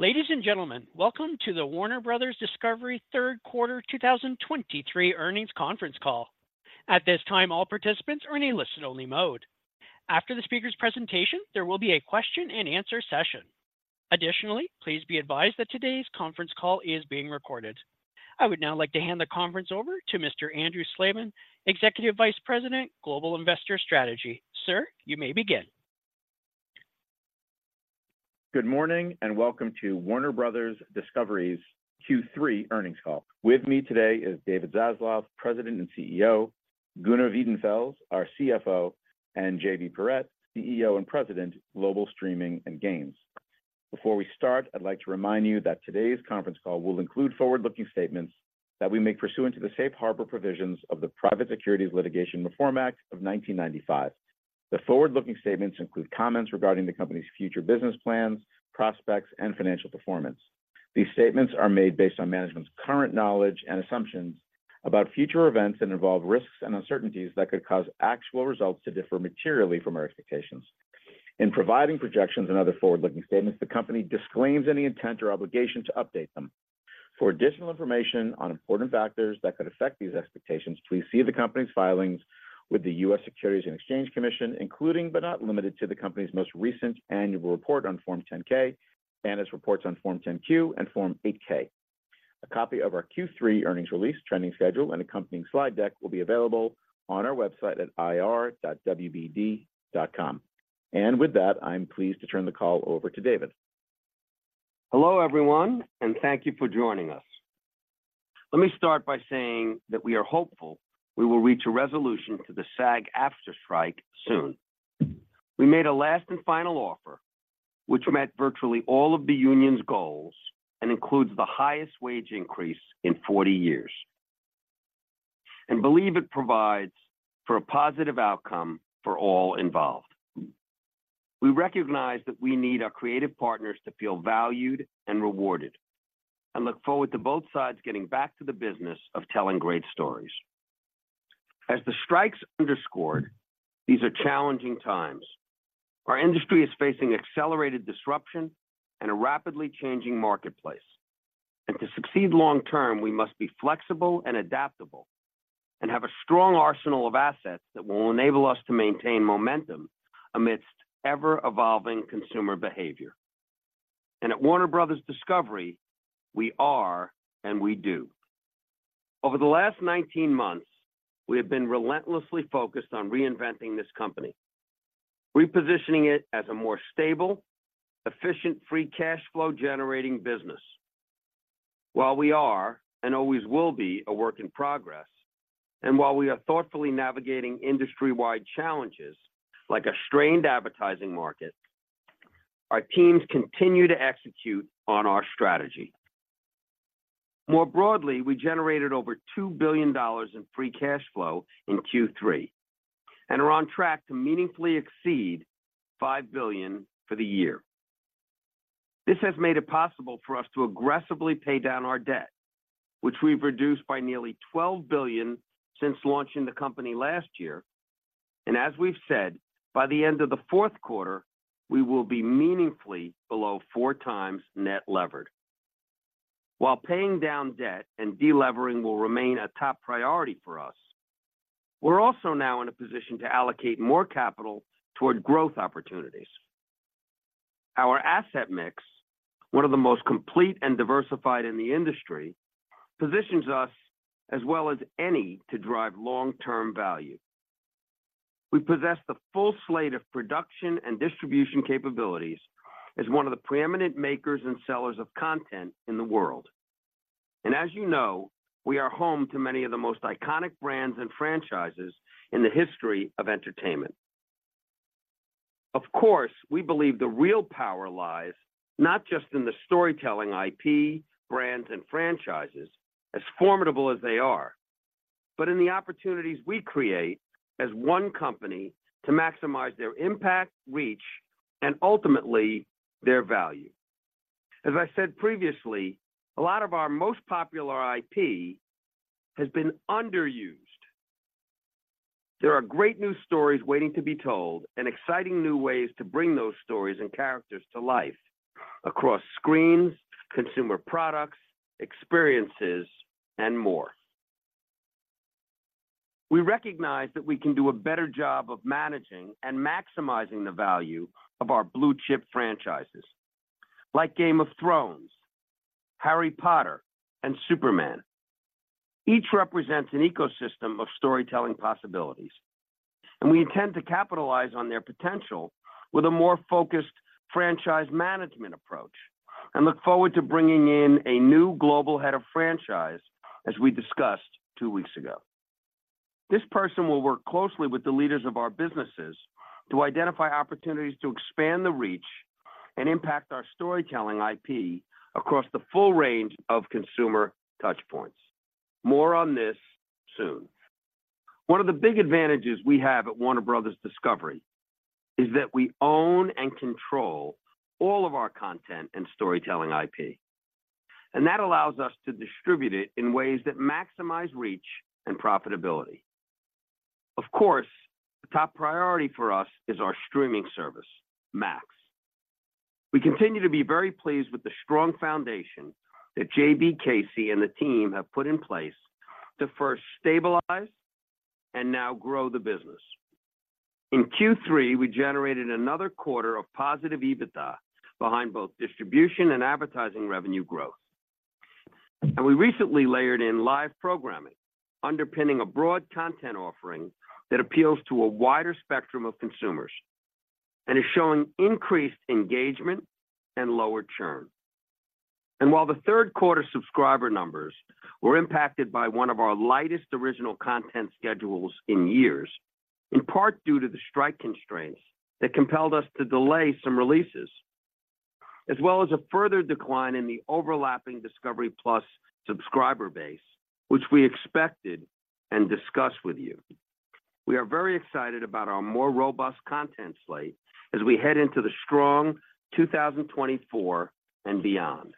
Ladies and gentlemen, welcome to the Warner Bros. Discovery third quarter 2023 earnings conference call. At this time, all participants are in a listen-only mode. After the speaker's presentation, there will be a question-and-answer session. Additionally, please be advised that today's conference call is being recorded. I would now like to hand the conference over to Mr. Andrew Slabin, Executive Vice President, Global Investor Strategy. Sir, you may begin. Good morning, and welcome to Warner Bros. Discovery's Q3 Earnings Call. With me today is David Zaslav, President and CEO, Gunnar Wiedenfels, our CFO, and JB Perrette, CEO and President, Global Streaming and Games. Before we start, I'd like to remind you that today's conference call will include forward-looking statements that we make pursuant to the Safe Harbor provisions of the Private Securities Litigation Reform Act of 1995. The forward-looking statements include comments regarding the company's future business plans, prospects, and financial performance. These statements are made based on management's current knowledge and assumptions about future events and involve risks and uncertainties that could cause actual results to differ materially from our expectations. In providing projections and other forward-looking statements, the company disclaims any intent or obligation to update them. For additional information on important factors that could affect these expectations, please see the company's filings with the U.S. Securities and Exchange Commission, including but not limited to the company's most recent annual report on Form 10-K and its reports on Form 10-Q and Form 8-K. A copy of our Q3 earnings release, trending schedule, and accompanying slide deck will be available on our website at ir.wbd.com. And with that, I'm pleased to turn the call over to David. Hello, everyone, and thank you for joining us. Let me start by saying that we are hopeful we will reach a resolution to the SAG-AFTRA strike soon. We made a last and final offer, which met virtually all of the union's goals and includes the highest wage increase in 40 years, and believe it provides for a positive outcome for all involved. We recognize that we need our creative partners to feel valued and rewarded, and look forward to both sides getting back to the business of telling great stories. As the strikes underscored, these are challenging times. Our industry is facing accelerated disruption and a rapidly changing marketplace. To succeed long term, we must be flexible and adaptable and have a strong arsenal of assets that will enable us to maintain momentum amidst ever-evolving consumer behavior. At Warner Bros. Discovery, we are and we do. Over the last 19 months, we have been relentlessly focused on reinventing this company, repositioning it as a more stable, efficient, free cash flow-generating business. While we are, and always will be, a work in progress, and while we are thoughtfully navigating industry-wide challenges, like a strained advertising market, our teams continue to execute on our strategy. More broadly, we generated over $2 billion in free cash flow in Q3 and are on track to meaningfully exceed $5 billion for the year. This has made it possible for us to aggressively pay down our debt, which we've reduced by nearly $12 billion since launching the company last year. As we've said, by the end of the fourth quarter, we will be meaningfully below 4x net leverage. While paying down debt and delevering will remain a top priority for us, we're also now in a position to allocate more capital toward growth opportunities. Our asset mix, one of the most complete and diversified in the industry, positions us as well as any to drive long-term value. We possess the full slate of production and distribution capabilities as one of the preeminent makers and sellers of content in the world. As you know, we are home to many of the most iconic brands and franchises in the history of entertainment. Of course, we believe the real power lies not just in the storytelling IP, brands, and franchises, as formidable as they are, but in the opportunities we create as one company to maximize their impact, reach, and ultimately, their value. As I said previously, a lot of our most popular IP has been underused. There are great new stories waiting to be told and exciting new ways to bring those stories and characters to life across screens, consumer products, experiences, and more. We recognize that we can do a better job of managing and maximizing the value of our blue-chip franchises, like Game of Thrones, Harry Potter, and Superman. Each represents an ecosystem of storytelling possibilities, and we intend to capitalize on their potential with a more focused franchise management approach and look forward to bringing in a new global head of franchise, as we discussed two weeks ago. This person will work closely with the leaders of our businesses to identify opportunities to expand the reach and impact our storytelling IP across the full range of consumer touchpoints. More on this soon. One of the big advantages we have at Warner Bros. Discovery is that we own and control all of our content and storytelling IP, and that allows us to distribute it in ways that maximize reach and profitability. Of course, the top priority for us is our streaming service, Max. We continue to be very pleased with the strong foundation that JB Perrette and the team have put in place to first stabilize and now grow the business. In Q3, we generated another quarter of positive EBITDA behind both distribution and advertising revenue growth. And we recently layered in live programming, underpinning a broad content offering that appeals to a wider spectrum of consumers and is showing increased engagement and lower churn. While the third quarter subscriber numbers were impacted by one of our lightest original content schedules in years, in part due to the strike constraints that compelled us to delay some releases, as well as a further decline in the overlapping Discovery+ subscriber base, which we expected and discussed with you. We are very excited about our more robust content slate as we head into the strong 2024 and beyond.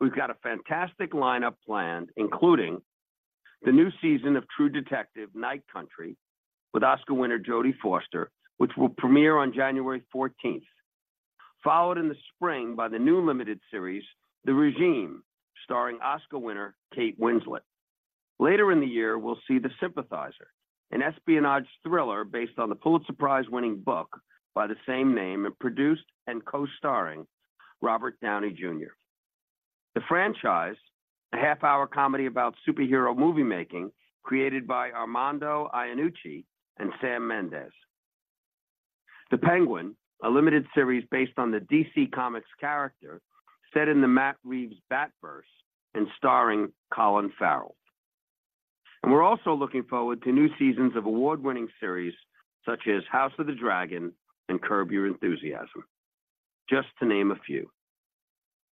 We've got a fantastic lineup planned, including the new season of True Detective: Night Country, with Oscar winner Jodie Foster, which will premiere on January 14th, followed in the spring by the new limited series, The Regime, starring Oscar winner Kate Winslet. Later in the year, we'll see The Sympathizer, an espionage thriller based on the Pulitzer Prize-winning book by the same name, and produced and co-starring Robert Downey Jr. The Franchise, a half-hour comedy about superhero movie making, created by Armando Iannucci and Sam Mendes. The Penguin, a limited series based on the DC Comics character, set in the Matt Reeves Batverse and starring Colin Farrell. We're also looking forward to new seasons of award-winning series such as House of the Dragon and Curb Your Enthusiasm, just to name a few.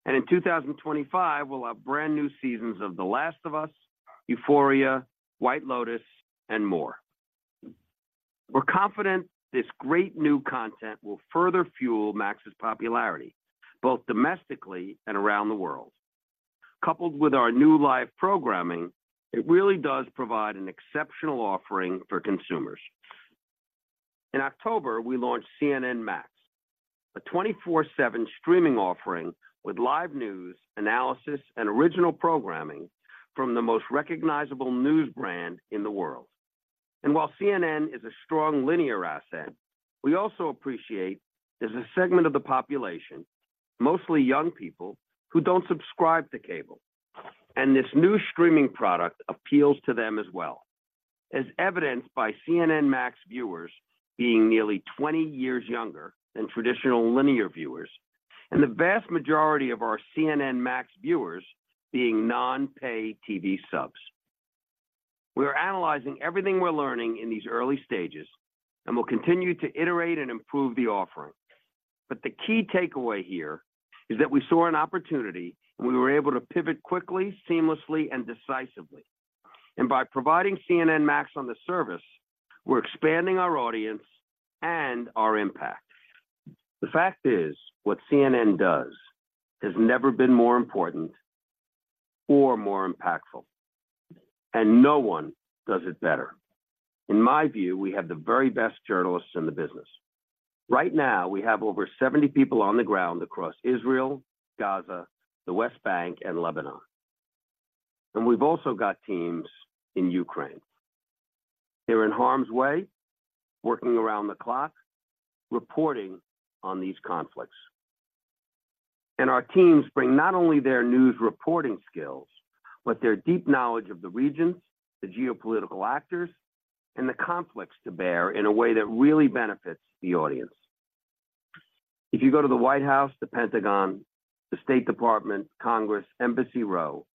In 2025, we'll have brand-new seasons of The Last of Us, Euphoria, White Lotus, and more. We're confident this great new content will further fuel Max's popularity, both domestically and around the world. Coupled with our new live programming, it really does provide an exceptional offering for consumers. In October, we launched CNN Max, a 24/7 streaming offering with live news, analysis, and original programming from the most recognizable news brand in the world. While CNN is a strong linear asset, we also appreciate there's a segment of the population, mostly young people, who don't subscribe to cable, and this new streaming product appeals to them as well, as evidenced by CNN Max viewers being nearly 20 years younger than traditional linear viewers, and the vast majority of our CNN Max viewers being non-pay TV subs. We are analyzing everything we're learning in these early stages, and we'll continue to iterate and improve the offering. But the key takeaway here is that we saw an opportunity, and we were able to pivot quickly, seamlessly, and decisively. By providing CNN Max on the service, we're expanding our audience and our impact. The fact is, what CNN does has never been more important or more impactful, and no one does it better. In my view, we have the very best journalists in the business. Right now, we have over 70 people on the ground across Israel, Gaza, the West Bank, and Lebanon, and we've also got teams in Ukraine. They're in harm's way, working around the clock, reporting on these conflicts. And our teams bring not only their news reporting skills, but their deep knowledge of the regions, the geopolitical actors, and the conflicts to bear in a way that really benefits the audience. If you go to the White House, the Pentagon, the State Department, Congress, Embassy Row,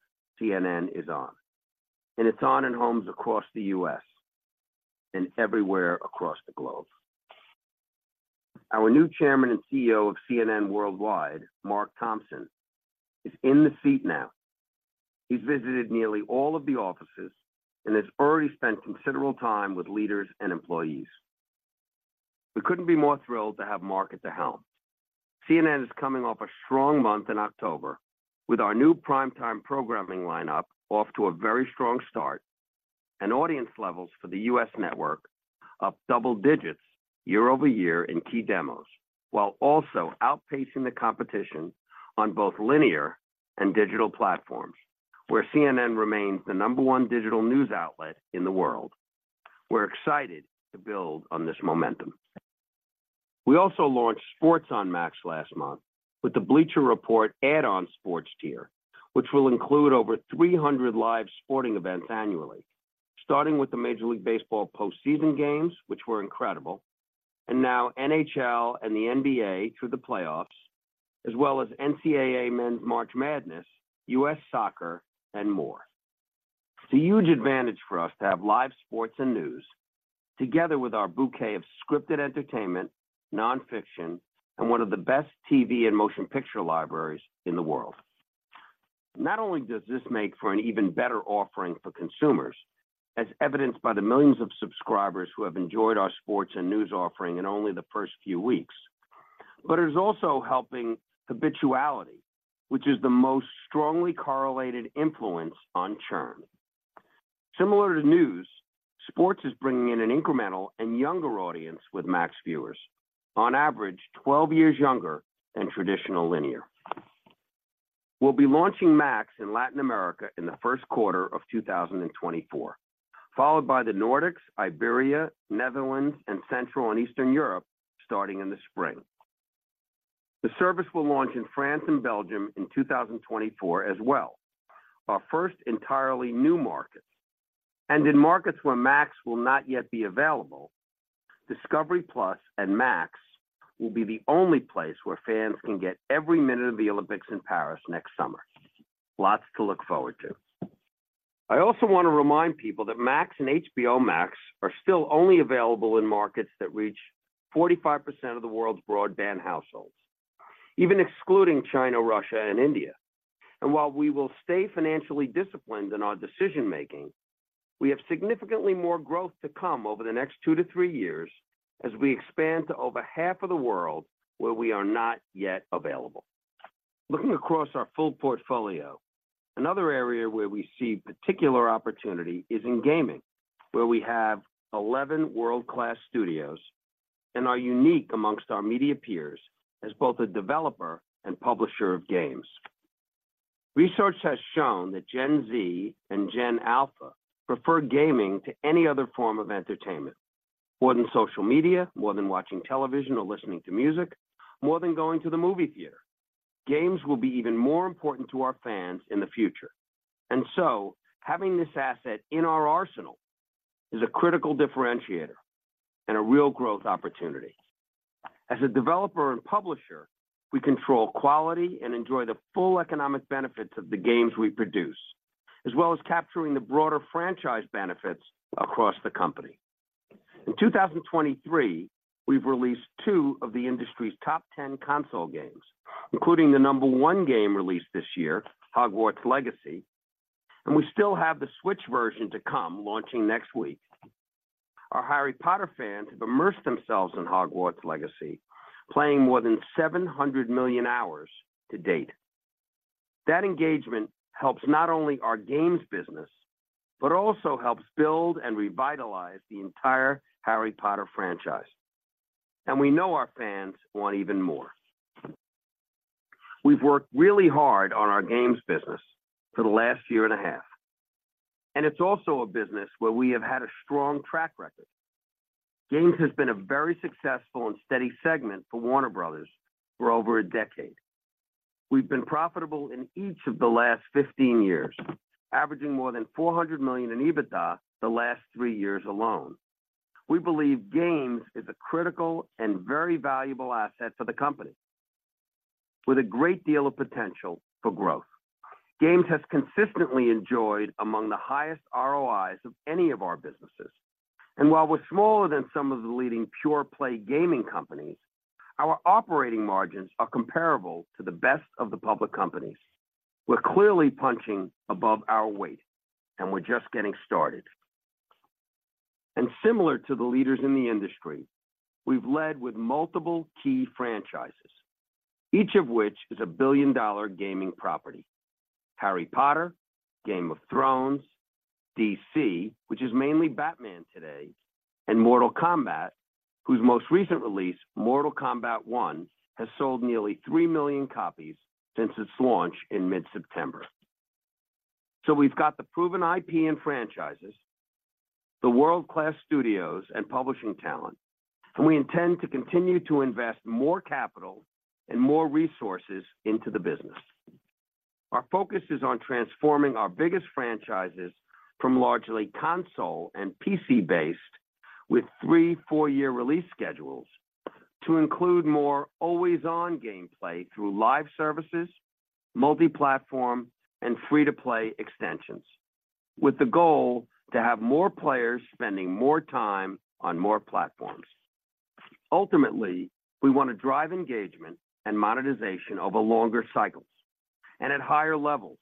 CNN is on, and it's on in homes across the U.S. and everywhere across the globe. Our new Chairman and CEO of CNN Worldwide, Mark Thompson, is in the seat now. He's visited nearly all of the offices and has already spent considerable time with leaders and employees. We couldn't be more thrilled to have Mark at the helm. CNN is coming off a strong month in October, with our new prime-time programming lineup off to a very strong start and audience levels for the U.S. network up double digits year-over-year in key demos, while also outpacing the competition on both linear and digital platforms, where CNN remains the number one digital news outlet in the world. We're excited to build on this momentum. We also launched Sports on Max last month with the Bleacher Report add-on sports tier, which will include over 300 live sporting events annually, starting with the Major League Baseball postseason games, which were incredible, and now NHL and the NBA through the playoffs, as well as NCAA Men's March Madness, U.S. Soccer, and more. It's a huge advantage for us to have live sports and news together with our bouquet of scripted entertainment, nonfiction, and one of the best TV and motion picture libraries in the world. Not only does this make for an even better offering for consumers, as evidenced by the millions of subscribers who have enjoyed our sports and news offering in only the first few weeks. But it's also helping habituality, which is the most strongly correlated influence on churn. Similar to news, sports is bringing in an incremental and younger audience with Max viewers, on average, 12 years younger than traditional linear. We'll be launching Max in Latin America in the first quarter of 2024, followed by the Nordics, Iberia, Netherlands, and Central and Eastern Europe, starting in the spring. The service will launch in France and Belgium in 2024 as well, our first entirely new markets, and in markets where Max will not yet be available, Discovery+ and Max will be the only place where fans can get every minute of the Olympics in Paris next summer. Lots to look forward to. I also want to remind people that Max and HBO Max are still only available in markets that reach 45% of the world's broadband households, even excluding China, Russia, and India. While we will stay financially disciplined in our decision-making, we have significantly more growth to come over the next 2-3 years as we expand to over half of the world where we are not yet available. Looking across our full portfolio, another area where we see particular opportunity is in gaming, where we have 11 world-class studios and are unique amongst our media peers as both a developer and publisher of games. Research has shown that Gen Z and Gen Alpha prefer gaming to any other form of entertainment, more than social media, more than watching television or listening to music, more than going to the movie theater. Games will be even more important to our fans in the future, and so having this asset in our arsenal is a critical differentiator and a real growth opportunity. As a developer and publisher, we control quality and enjoy the full economic benefits of the games we produce, as well as capturing the broader franchise benefits across the company. In 2023, we've released two of the industry's top 10 console games, including the number one game released this year, Hogwarts Legacy, and we still have the Switch version to come, launching next week. Our Harry Potter fans have immersed themselves in Hogwarts Legacy, playing more than 700 million hours to date. That engagement helps not only our games business, but also helps build and revitalize the entire Harry Potter franchise, and we know our fans want even more. We've worked really hard on our games business for the last year and a half, and it's also a business where we have had a strong track record. Games has been a very successful and steady segment for Warner Bros for over a decade. We've been profitable in each of the last 15 years, averaging more than $400 million in EBITDA the last three years alone. We believe games is a critical and very valuable asset for the company, with a great deal of potential for growth. Games has consistently enjoyed among the highest ROIs of any of our businesses, and while we're smaller than some of the leading pure play gaming companies, our operating margins are comparable to the best of the public companies. We're clearly punching above our weight, and we're just getting started. Similar to the leaders in the industry, we've led with multiple key franchises, each of which is a billion-dollar gaming property: Harry Potter, Game of Thrones, DC, which is mainly Batman today, and Mortal Kombat, whose most recent release, Mortal Kombat 1, has sold nearly 3 million copies since its launch in mid-September. So we've got the proven IP and franchises, the world-class studios and publishing talent, and we intend to continue to invest more capital and more resources into the business. Our focus is on transforming our biggest franchises from largely console and PC-based, with 3-4-year release schedules, to include more always-on gameplay through live services, multi-platform, and free-to-play extensions, with the goal to have more players spending more time on more platforms. Ultimately, we want to drive engagement and monetization over longer cycles and at higher levels,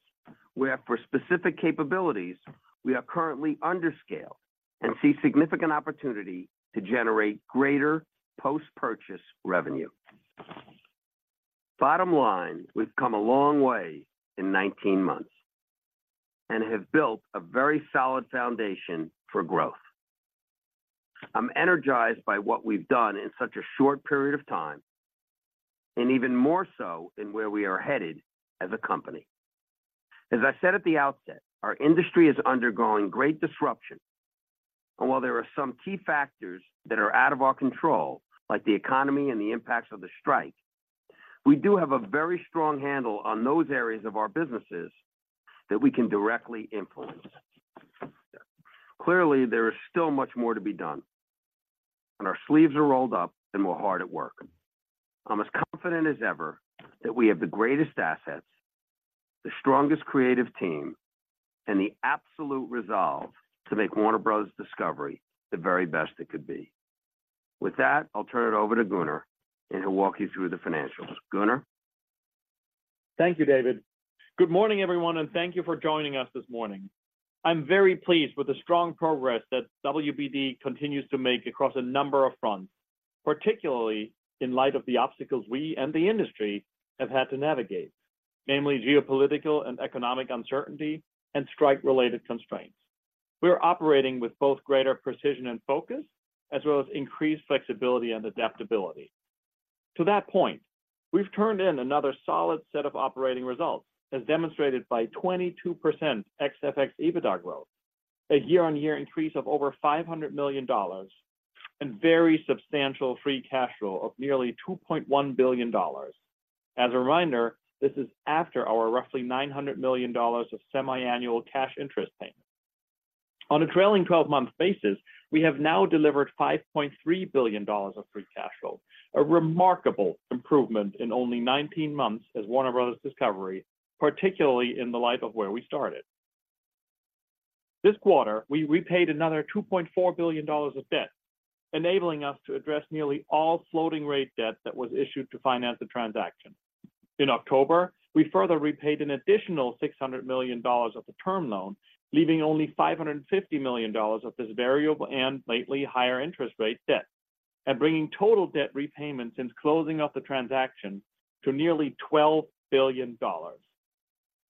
where for specific capabilities, we are currently under scale and see significant opportunity to generate greater post-purchase revenue. Bottom line, we've come a long way in 19 months and have built a very solid foundation for growth. I'm energized by what we've done in such a short period of time, and even more so in where we are headed as a company. As I said at the outset, our industry is undergoing great disruption, and while there are some key factors that are out of our control, like the economy and the impacts of the strike, we do have a very strong handle on those areas of our businesses that we can directly influence. Clearly, there is still much more to be done, and our sleeves are rolled up and we're hard at work. I'm as confident as ever that we have the greatest assets, the strongest creative team, and the absolute resolve to make Warner Bros. Discovery the very best it could be. With that, I'll turn it over to Gunnar, and he'll walk you through the financials. Gunnar?... Thank you, David. Good morning, everyone, and thank you for joining us this morning. I'm very pleased with the strong progress that WBD continues to make across a number of fronts, particularly in light of the obstacles we and the industry have had to navigate. Namely, geopolitical and economic uncertainty and strike-related constraints. We are operating with both greater precision and focus, as well as increased flexibility and adaptability. To that point, we've turned in another solid set of operating results, as demonstrated by 22% ex-FX EBITDA growth, a year-on-year increase of over $500 million, and very substantial free cash flow of nearly $2.1 billion. As a reminder, this is after our roughly $900 million of semiannual cash interest payments. On a trailing 12-month basis, we have now delivered $5.3 billion of free cash flow, a remarkable improvement in only 19 months as Warner Bros. Discovery, particularly in the light of where we started. This quarter, we repaid another $2.4 billion of debt, enabling us to address nearly all floating rate debt that was issued to finance the transaction. In October, we further repaid an additional $600 million of the term loan, leaving only $550 million of this variable and lately higher interest rate debt, and bringing total debt repayment since closing up the transaction to nearly $12 billion.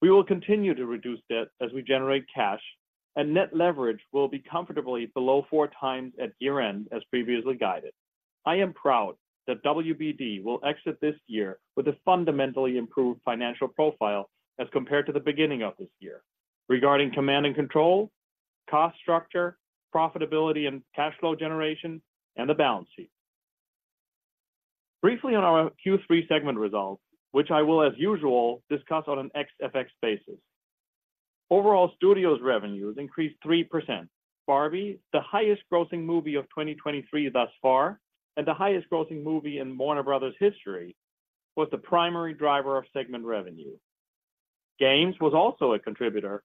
We will continue to reduce debt as we generate cash, and net leverage will be comfortably below four times at year-end, as previously guided. I am proud that WBD will exit this year with a fundamentally improved financial profile as compared to the beginning of this year regarding command and control, cost structure, profitability and cash flow generation, and the balance sheet. Briefly on our Q3 segment results, which I will, as usual, discuss on an ex-FX basis. Overall, studios revenues increased 3%. Barbie, the highest grossing movie of 2023 thus far, and the highest grossing movie in Warner Bros history, was the primary driver of segment revenue. Games was also a contributor,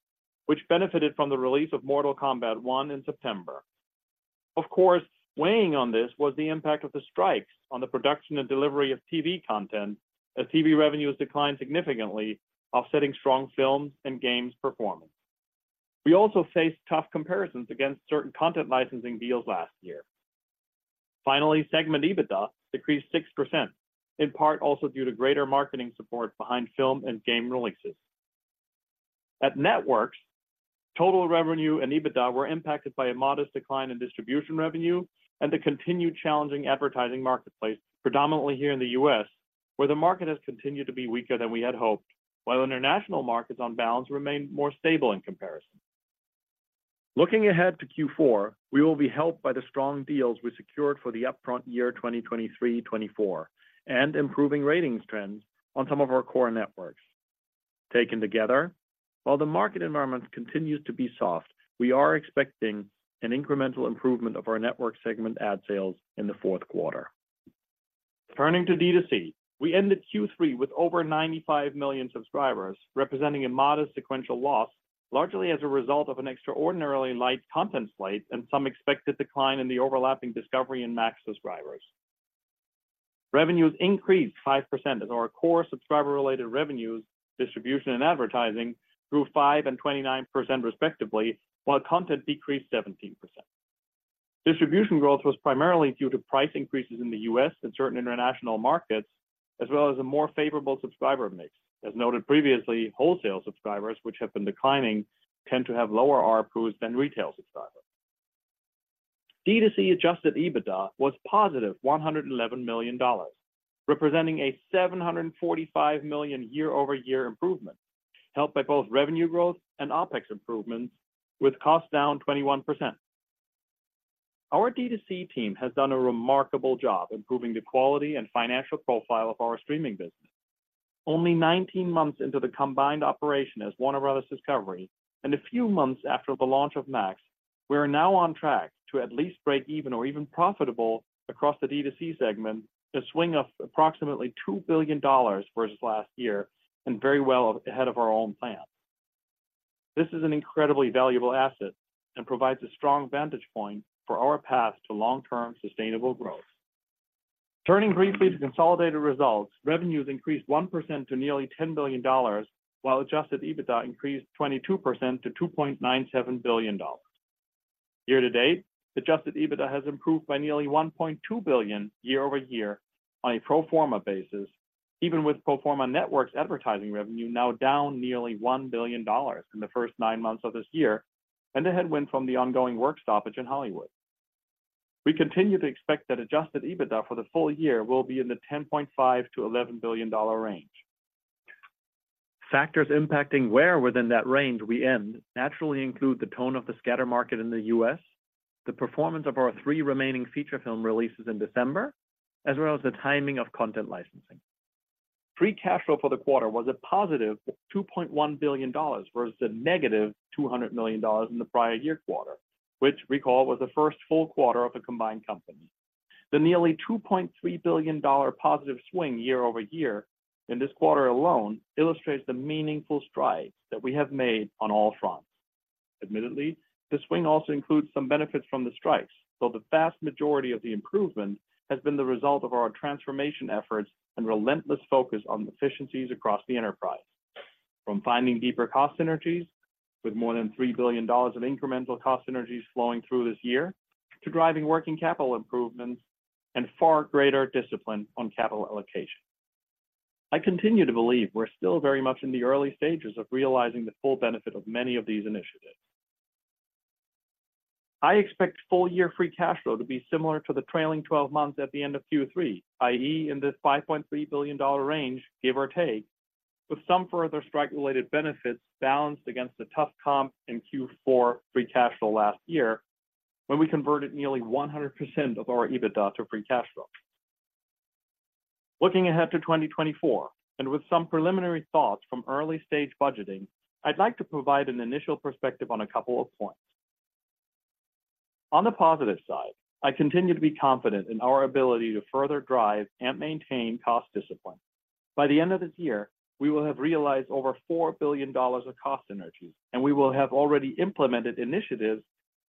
which benefited from the release of Mortal Kombat 1 in September. Of course, weighing on this was the impact of the strikes on the production and delivery of TV content, as TV revenues declined significantly, offsetting strong films and games performance. We also faced tough comparisons against certain content licensing deals last year. Finally, segment EBITDA decreased 6%, in part also due to greater marketing support behind film and game releases. At Networks, total revenue and EBITDA were impacted by a modest decline in distribution revenue and the continued challenging advertising marketplace, predominantly here in the U.S., where the market has continued to be weaker than we had hoped, while international markets on balance remained more stable in comparison. Looking ahead to Q4, we will be helped by the strong deals we secured for the upfront year 2023, 2024, and improving ratings trends on some of our core networks. Taken together, while the market environment continues to be soft, we are expecting an incremental improvement of our network segment ad sales in the fourth quarter. Turning to DTC, we ended Q3 with over 95 million subscribers, representing a modest sequential loss, largely as a result of an extraordinarily light content slate and some expected decline in the overlapping Discovery and Max subscribers. Revenues increased 5% as our core subscriber-related revenues, distribution, and advertising grew 5% and 29%, respectively, while content decreased 17%. Distribution growth was primarily due to price increases in the U.S. and certain international markets, as well as a more favorable subscriber mix. As noted previously, wholesale subscribers, which have been declining, tend to have lower ARPU than retail subscribers. DTC adjusted EBITDA was positive $111 million, representing a $745 million year-over-year improvement, helped by both revenue growth and OpEx improvements, with costs down 21%. Our DTC team has done a remarkable job improving the quality and financial profile of our streaming business. Only 19 months into the combined operation as Warner Bros. Discovery, and a few months after the launch of Max, we are now on track to at least break even or even profitable across the DTC segment, a swing of approximately $2 billion versus last year and very well ahead of our own plans. This is an incredibly valuable asset and provides a strong vantage point for our path to long-term sustainable growth. Turning briefly to consolidated results, revenues increased 1% to nearly $10 billion, while adjusted EBITDA increased 22% to $2.97 billion. Year to date, adjusted EBITDA has improved by nearly $1.2 billion year-over-year on a pro forma basis, even with pro forma networks' advertising revenue now down nearly $1 billion in the first nine months of this year, and a headwind from the ongoing work stoppage in Hollywood. We continue to expect that adjusted EBITDA for the full year will be in the $10.5-$11 billion range. Factors impacting where within that range we end naturally include the tone of the scatter market in the U.S., the performance of our three remaining feature film releases in December, as well as the timing of content licensing. Free cash flow for the quarter was a positive $2.1 billion, versus a negative $200 million in the prior year quarter, which, recall, was the first full quarter of a combined company. The nearly $2.3 billion positive swing year-over-year in this quarter alone illustrates the meaningful strides that we have made on all fronts. Admittedly, this swing also includes some benefits from the strikes, though the vast majority of the improvement has been the result of our transformation efforts and relentless focus on efficiencies across the enterprise. From finding deeper cost synergies, with more than $3 billion of incremental cost synergies flowing through this year, to driving working capital improvements and far greater discipline on capital allocation. I continue to believe we're still very much in the early stages of realizing the full benefit of many of these initiatives. I expect full-year free cash flow to be similar to the trailing 12 months at the end of Q3, i.e., in this $5.3 billion range, give or take, with some further strike-related benefits balanced against a tough comp in Q4 free cash flow last year, when we converted nearly 100% of our EBITDA to free cash flow. Looking ahead to 2024, and with some preliminary thoughts from early-stage budgeting, I'd like to provide an initial perspective on a couple of points. On the positive side, I continue to be confident in our ability to further drive and maintain cost discipline. By the end of this year, we will have realized over $4 billion of cost synergies, and we will have already implemented initiatives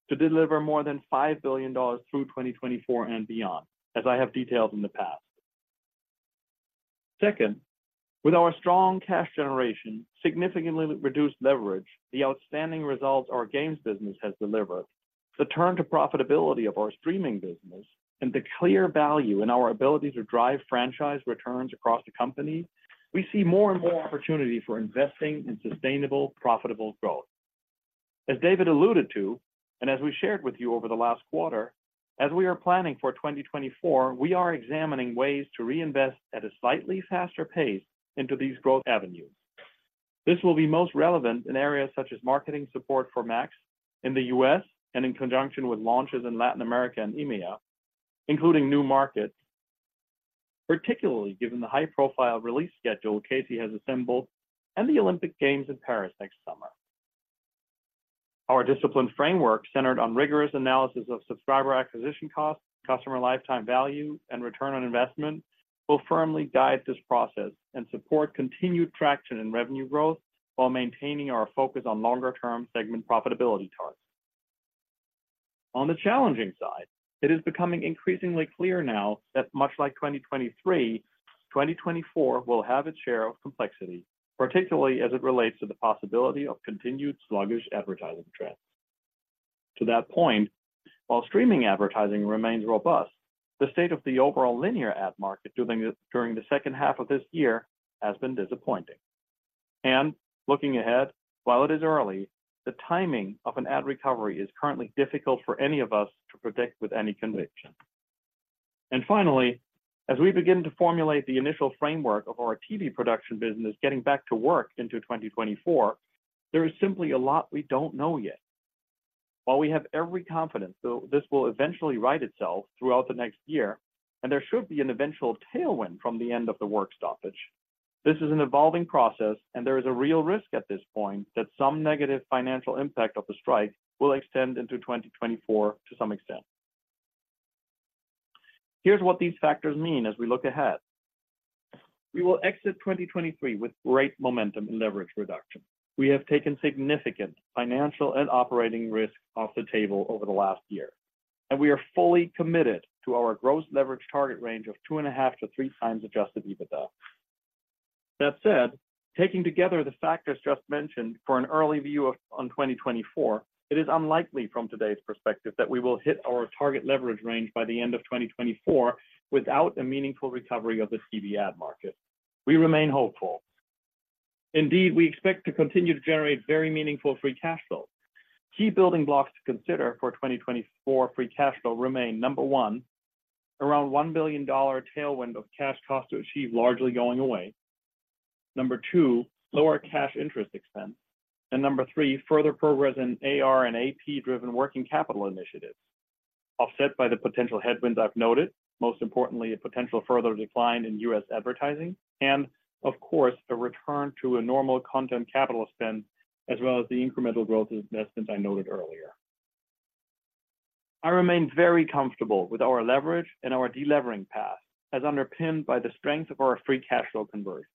to deliver more than $5 billion through 2024 and beyond, as I have detailed in the past. Second, with our strong cash generation, significantly reduced leverage, the outstanding results our games business has delivered, the turn to profitability of our streaming business, and the clear value in our ability to drive franchise returns across the company, we see more and more opportunity for investing in sustainable, profitable growth. As David alluded to, and as we shared with you over the last quarter, as we are planning for 2024, we are examining ways to reinvest at a slightly faster pace into these growth avenues. This will be most relevant in areas such as marketing support for Max in the U.S. and in conjunction with launches in Latin America and EMEA, including new markets, particularly given the high-profile release schedule Casey has assembled and the Olympic Games in Paris next summer. Our disciplined framework, centered on rigorous analysis of subscriber acquisition costs, customer lifetime value, and return on investment, will firmly guide this process and support continued traction in revenue growth while maintaining our focus on longer-term segment profitability targets. On the challenging side, it is becoming increasingly clear now that much like 2023, 2024 will have its share of complexity, particularly as it relates to the possibility of continued sluggish advertising trends. To that point, while streaming advertising remains robust, the state of the overall linear ad market during the second half of this year has been disappointing. Looking ahead, while it is early, the timing of an ad recovery is currently difficult for any of us to predict with any conviction. Finally, as we begin to formulate the initial framework of our TV production business getting back to work into 2024, there is simply a lot we don't know yet. While we have every confidence though, this will eventually right itself throughout the next year, and there should be an eventual tailwind from the end of the work stoppage, this is an evolving process, and there is a real risk at this point that some negative financial impact of the strike will extend into 2024 to some extent. Here's what these factors mean as we look ahead. We will exit 2023 with great momentum in leverage reduction. We have taken significant financial and operating risk off the table over the last year, and we are fully committed to our gross leverage target range of 2.5-3x adjusted EBITDA. That said, taking together the factors just mentioned for an early view of, on 2024, it is unlikely from today's perspective that we will hit our target leverage range by the end of 2024 without a meaningful recovery of the TV ad market. We remain hopeful. Indeed, we expect to continue to generate very meaningful free cash flow. Key building blocks to consider for 2024 free cash flow remain: number one, around $1 billion tailwind of cash cost to achieve largely going away; number two, lower cash interest expense; and number three, further progress in AR and AP-driven working capital initiatives, offset by the potential headwinds I've noted, most importantly, a potential further decline in U.S. advertising and, of course, a return to a normal content capital spend, as well as the incremental growth investments I noted earlier. I remain very comfortable with our leverage and our delevering path, as underpinned by the strength of our free cash flow conversion.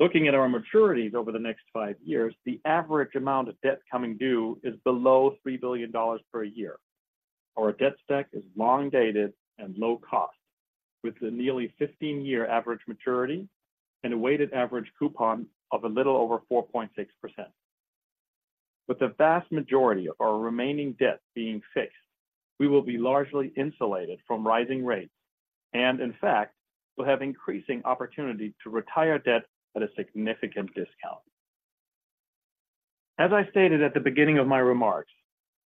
Looking at our maturities over the next five years, the average amount of debt coming due is below $3 billion per year. Our debt stack is long-dated and low cost, with a nearly 15-year average maturity and a weighted average coupon of a little over 4.6%. With the vast majority of our remaining debt being fixed, we will be largely insulated from rising rates and, in fact, will have increasing opportunity to retire debt at a significant discount. As I stated at the beginning of my remarks,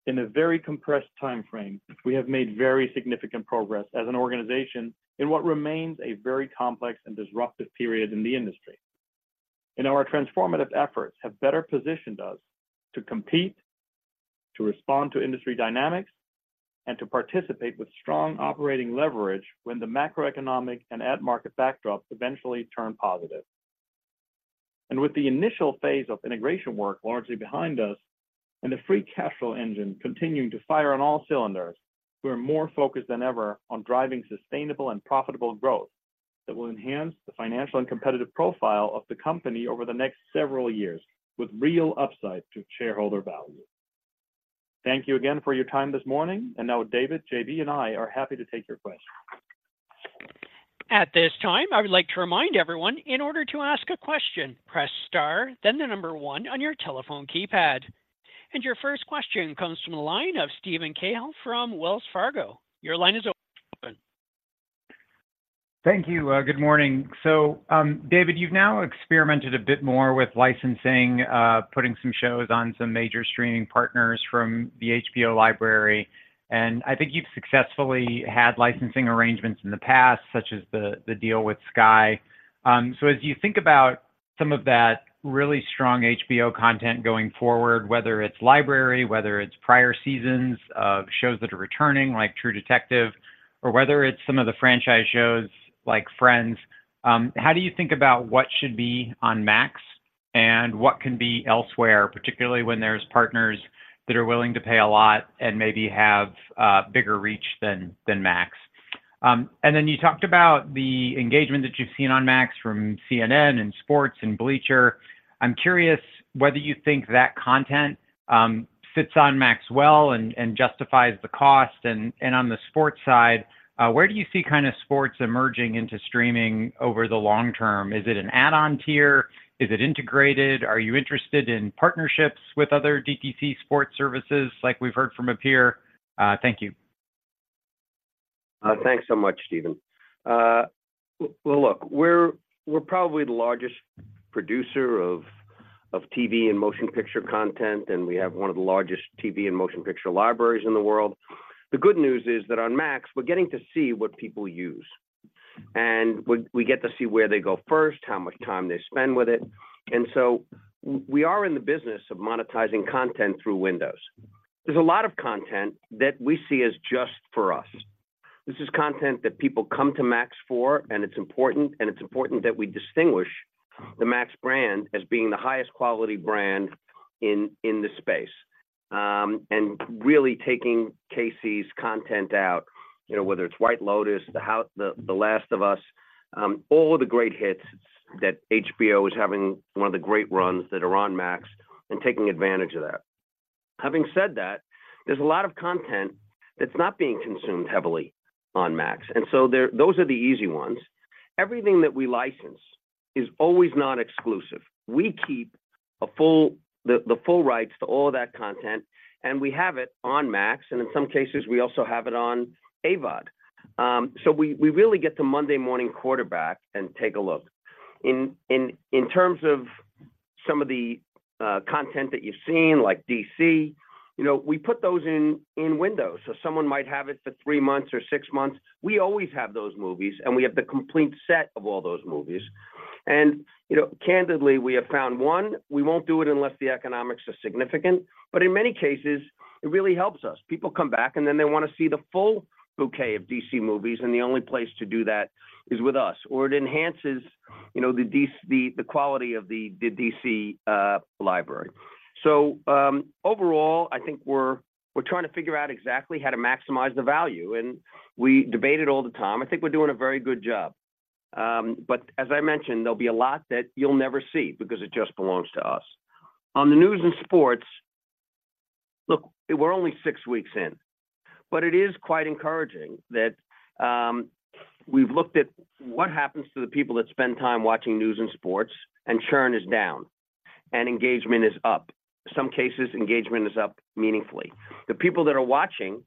in a very compressed timeframe, we have made very significant progress as an organization in what remains a very complex and disruptive period in the industry. And our transformative efforts have better positioned us to compete, to respond to industry dynamics, and to participate with strong operating leverage when the macroeconomic and ad market backdrop eventually turn positive. With the initial phase of integration work largely behind us and the free cash flow engine continuing to fire on all cylinders, we are more focused than ever on driving sustainable and profitable growth... that will enhance the financial and competitive profile of the company over the next several years, with real upside to shareholder value. Thank you again for your time this morning, and now David, JB, and I are happy to take your questions. At this time, I would like to remind everyone, in order to ask a question, press star, then the number one on your telephone keypad. Your first question comes from the line of Steven Cahall from Wells Fargo. Your line is open. Thank you. Good morning. So, David, you've now experimented a bit more with licensing, putting some shows on some major streaming partners from the HBO library, and I think you've successfully had licensing arrangements in the past, such as the deal with Sky. So as you think about some of that really strong HBO content going forward, whether it's library, whether it's prior seasons, shows that are returning, like True Detective, or whether it's some of the franchise shows like Friends, how do you think about what should be on Max and what can be elsewhere, particularly when there's partners that are willing to pay a lot and maybe have bigger reach than Max? And then you talked about the engagement that you've seen on Max from CNN and sports and Bleacher. I'm curious whether you think that content fits on Max well and on the sports side, where do you see kind of sports emerging into streaming over the long term? Is it an add-on tier? Is it integrated? Are you interested in partnerships with other DTC sports services like we've heard from up here? Thank you. Thanks so much, Steven. Well, look, we're probably the largest producer of TV and motion picture content, and we have one of the largest TV and motion picture libraries in the world. The good news is that on Max, we're getting to see what people use, and we get to see where they go first, how much time they spend with it, and so we are in the business of monetizing content through windows. There's a lot of content that we see as just for us. This is content that people come to Max for, and it's important, and it's important that we distinguish the Max brand as being the highest quality brand in the space. And really taking Casey's content out, you know, whether it's White Lotus, The Last of Us, all the great hits that HBO is having, one of the great runs that are on Max and taking advantage of that. Having said that, there's a lot of content that's not being consumed heavily on Max, and so those are the easy ones. Everything that we license is always not exclusive. We keep the full rights to all of that content, and we have it on Max, and in some cases, we also have it on AVOD. So we really get to Monday Morning Quarterback and take a look. In terms of some of the content that you've seen, like DC, you know, we put those in windows, so someone might have it for three months or six months. We always have those movies, and we have the complete set of all those movies. And, you know, candidly, we have found one, we won't do it unless the economics are significant, but in many cases, it really helps us. People come back, and then they wanna see the full bouquet of DC movies, and the only place to do that is with us, or it enhances, you know, the DC- the quality of the DC library. So, overall, I think we're trying to figure out exactly how to maximize the value, and we debate it all the time. I think we're doing a very good job. But as I mentioned, there'll be a lot that you'll never see because it just belongs to us. On the news and sports, look, we're only six weeks in, but it is quite encouraging that we've looked at what happens to the people that spend time watching news and sports, and churn is down, and engagement is up. Some cases, engagement is up meaningfully. The people that are watching,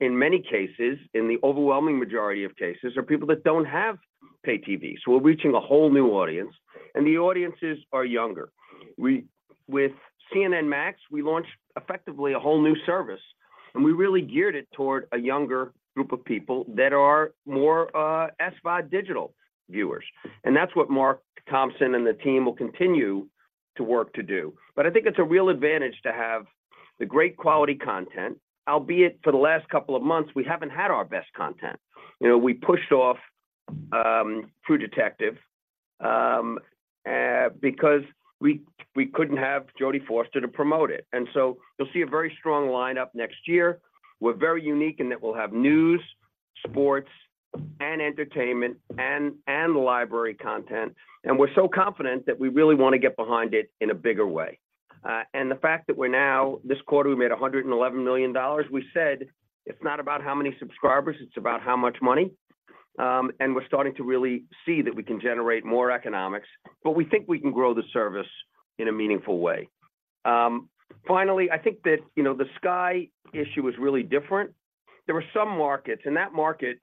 in many cases, in the overwhelming majority of cases, are people that don't have pay TV. So we're reaching a whole new audience, and the audiences are younger. With CNN Max, we launched effectively a whole new service, and we really geared it toward a younger group of people that are more SVOD digital viewers. And that's what Mark Thompson and the team will continue to work to do. But I think it's a real advantage to have the great quality content, albeit for the last couple of months, we haven't had our best content. You know, we pushed off True Detective because we couldn't have Jodie Foster to promote it. And so you'll see a very strong lineup next year. We're very unique in that we'll have news, sports, and entertainment and library content, and we're so confident that we really wanna get behind it in a bigger way. And the fact that we're now, this quarter, we made $111 million. We said, "It's not about how many subscribers, it's about how much money." And we're starting to really see that we can generate more economics, but we think we can grow the service in a meaningful way. Finally, I think that, you know, the Sky issue is really different. There were some markets, in that market,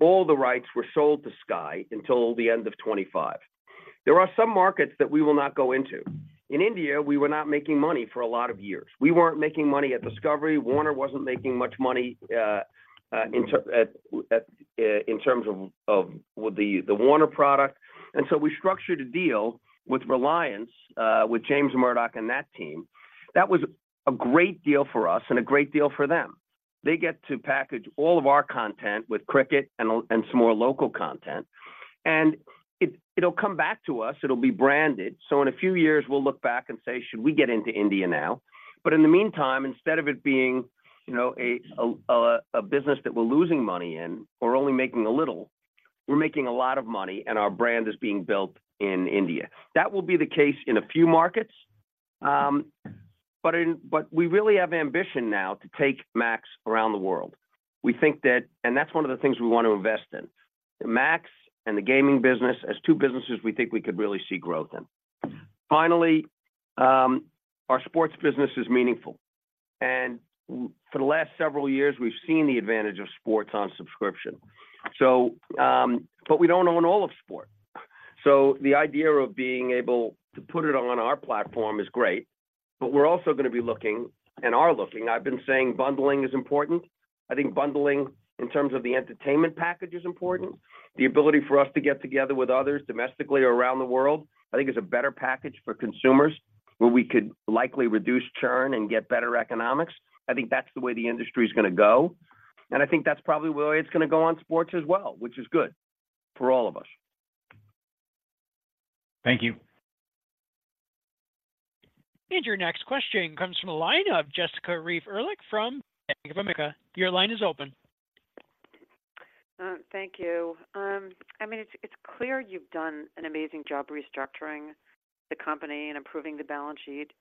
all the rights were sold to Sky until the end of 2025. There are some markets that we will not go into. In India, we were not making money for a lot of years. We weren't making money at Discovery. Warner wasn't making much money in terms of with the Warner product. And so we structured a deal with Reliance with James Murdoch and that team. That was a great deal for us and a great deal for them. They get to package all of our content with Cricket and some more local content. And it will come back to us, it will be branded. So in a few years, we'll look back and say: Should we get into India now? But in the meantime, instead of it being, you know, a business that we're losing money in or only making a little, we're making a lot of money, and our brand is being built in India. That will be the case in a few markets, but we really have ambition now to take Max around the world. We think that. And that's one of the things we want to invest in. The Max and the gaming business, as two businesses we think we could really see growth in. Finally, our sports business is meaningful. And for the last several years, we've seen the advantage of sports on subscription. So, but we don't own all of sport. So the idea of being able to put it on our platform is great, but we're also gonna be looking and are looking. I've been saying bundling is important. I think bundling in terms of the entertainment package is important. The ability for us to get together with others domestically or around the world, I think is a better package for consumers, where we could likely reduce churn and get better economics. I think that's the way the industry is gonna go, and I think that's probably the way it's gonna go on sports as well, which is good for all of us. Thank you. Your next question comes from the line of Jessica Reif Ehrlich from Bank of America. Your line is open. Thank you. I mean, it's clear you've done an amazing job restructuring the company and improving the balance sheet.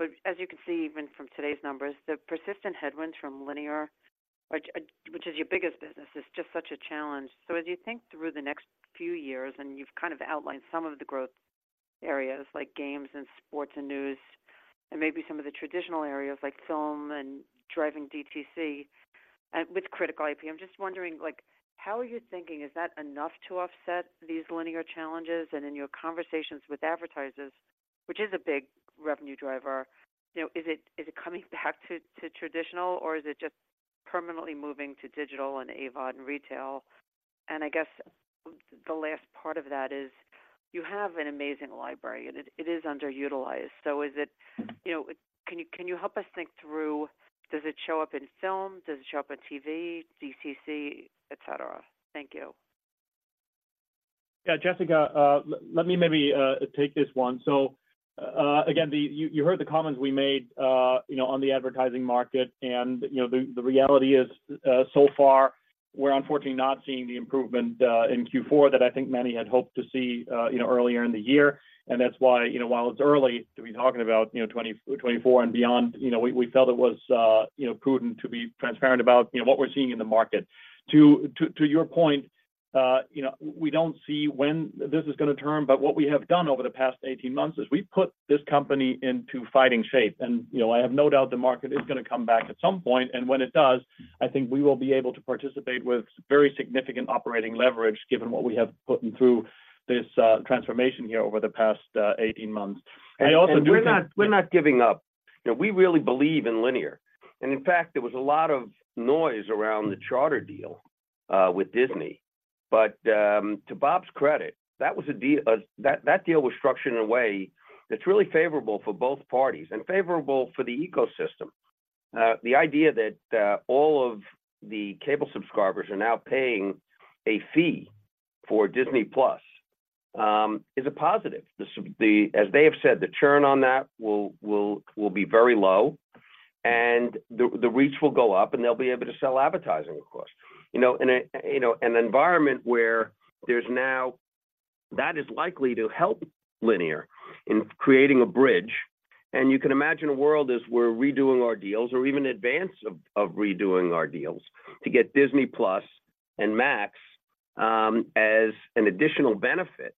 But as you can see, even from today's numbers, the persistent headwinds from linear, which, which is your biggest business, is just such a challenge. So as you think through the next few years, and you've kind of outlined some of the growth areas, like games and sports and news, and maybe some of the traditional areas, like film and driving DTC, with critical IP, I'm just wondering, like, how are you thinking, is that enough to offset these linear challenges? And in your conversations with advertisers, which is a big revenue driver, you know, is it coming back to traditional, or is it just permanently moving to digital and AVOD and retail? I guess the last part of that is, you have an amazing library, and it is underutilized. So is it, you know... Can you, can you help us think through, does it show up in film? Does it show up in TV, DC, et cetera? Thank you. Yeah, Jessica, let me maybe take this one. So, again, you heard the comments we made, you know, on the advertising market, and, you know, the reality is, so far, we're unfortunately not seeing the improvement in Q4 that I think many had hoped to see, you know, earlier in the year. And that's why, you know, while it's early to be talking about, you know, 2024 and beyond, you know, we felt it was, you know, prudent to be transparent about, you know, what we're seeing in the market. To your point, you know, we don't see when this is gonna turn, but what we have done over the past 18 months is we've put this company into fighting shape. You know, I have no doubt the market is gonna come back at some point, and when it does, I think we will be able to participate with very significant operating leverage, given what we have put through this transformation here over the past 18 months. I also do- We're not giving up. You know, we really believe in linear. In fact, there was a lot of noise around the Charter deal with Disney. But to Bob's credit, that deal was structured in a way that's really favorable for both parties and favorable for the ecosystem. The idea that all of the cable subscribers are now paying a fee for Disney+ is a positive. As they have said, the churn on that will be very low, and the rates will go up, and they'll be able to sell advertising, of course. You know, and an environment where there's now... That is likely to help linear in creating a bridge, and you can imagine a world as we're redoing our deals or even advance of, of redoing our deals, to get Disney+ and Max, as an additional benefit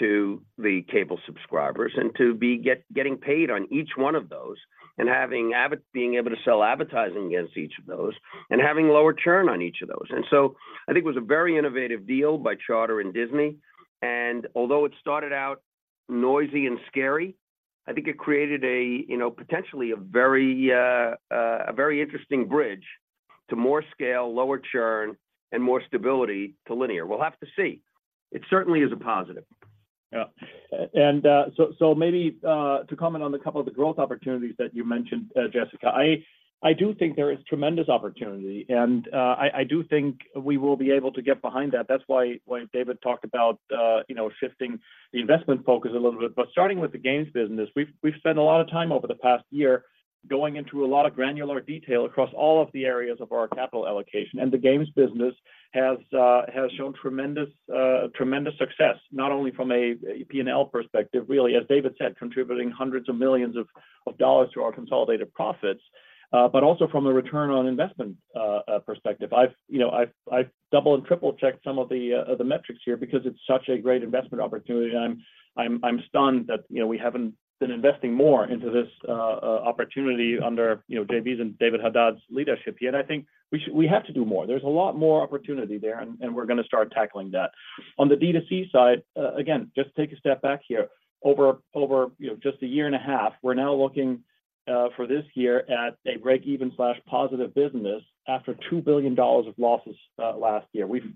to the cable subscribers and to be getting paid on each one of those and being able to sell advertising against each of those and having lower churn on each of those. And so I think it was a very innovative deal by Charter and Disney, and although it started out noisy and scary, I think it created a, you know, potentially a very, a very interesting bridge to more scale, lower churn, and more stability to linear. We'll have to see. It certainly is a positive. Yeah. So maybe to comment on a couple of the growth opportunities that you mentioned, Jessica, I do think there is tremendous opportunity, and I do think we will be able to get behind that. That's why David talked about you know, shifting the investment focus a little bit. But starting with the games business, we've spent a lot of time over the past year going into a lot of granular detail across all of the areas of our capital allocation. And the games business has shown tremendous success, not only from a P&L perspective, really, as David said, contributing hundreds of millions to our consolidated profits, but also from a return on investment perspective. I've, you know, I've double and triple-checked some of the metrics here because it's such a great investment opportunity, and I'm stunned that, you know, we haven't been investing more into this opportunity under, you know, JB's and David Haddad's leadership yet. I think we have to do more. There's a lot more opportunity there, and we're gonna start tackling that. On the D2C side, again, just take a step back here. Over, you know, just a year and a half, we're now looking for this year at a break-even/positive business after $2 billion of losses last year. We've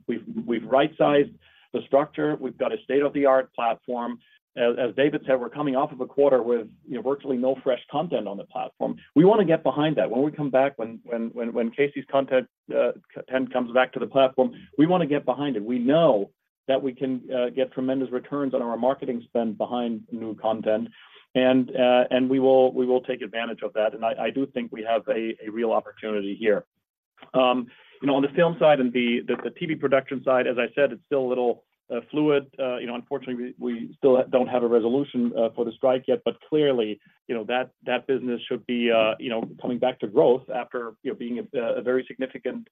right-sized the structure. We've got a state-of-the-art platform. As David said, we're coming off of a quarter with, you know, virtually no fresh content on the platform. We want to get behind that. When we come back, when Casey's content comes back to the platform, we want to get behind it. We know that we can get tremendous returns on our marketing spend behind new content. And, and we will take advantage of that, and I do think we have a real opportunity here. You know, on the film side and the TV production side, as I said, it's still a little fluid. You know, unfortunately, we still don't have a resolution for the strike yet, but clearly, you know, that business should be coming back to growth after being a very significant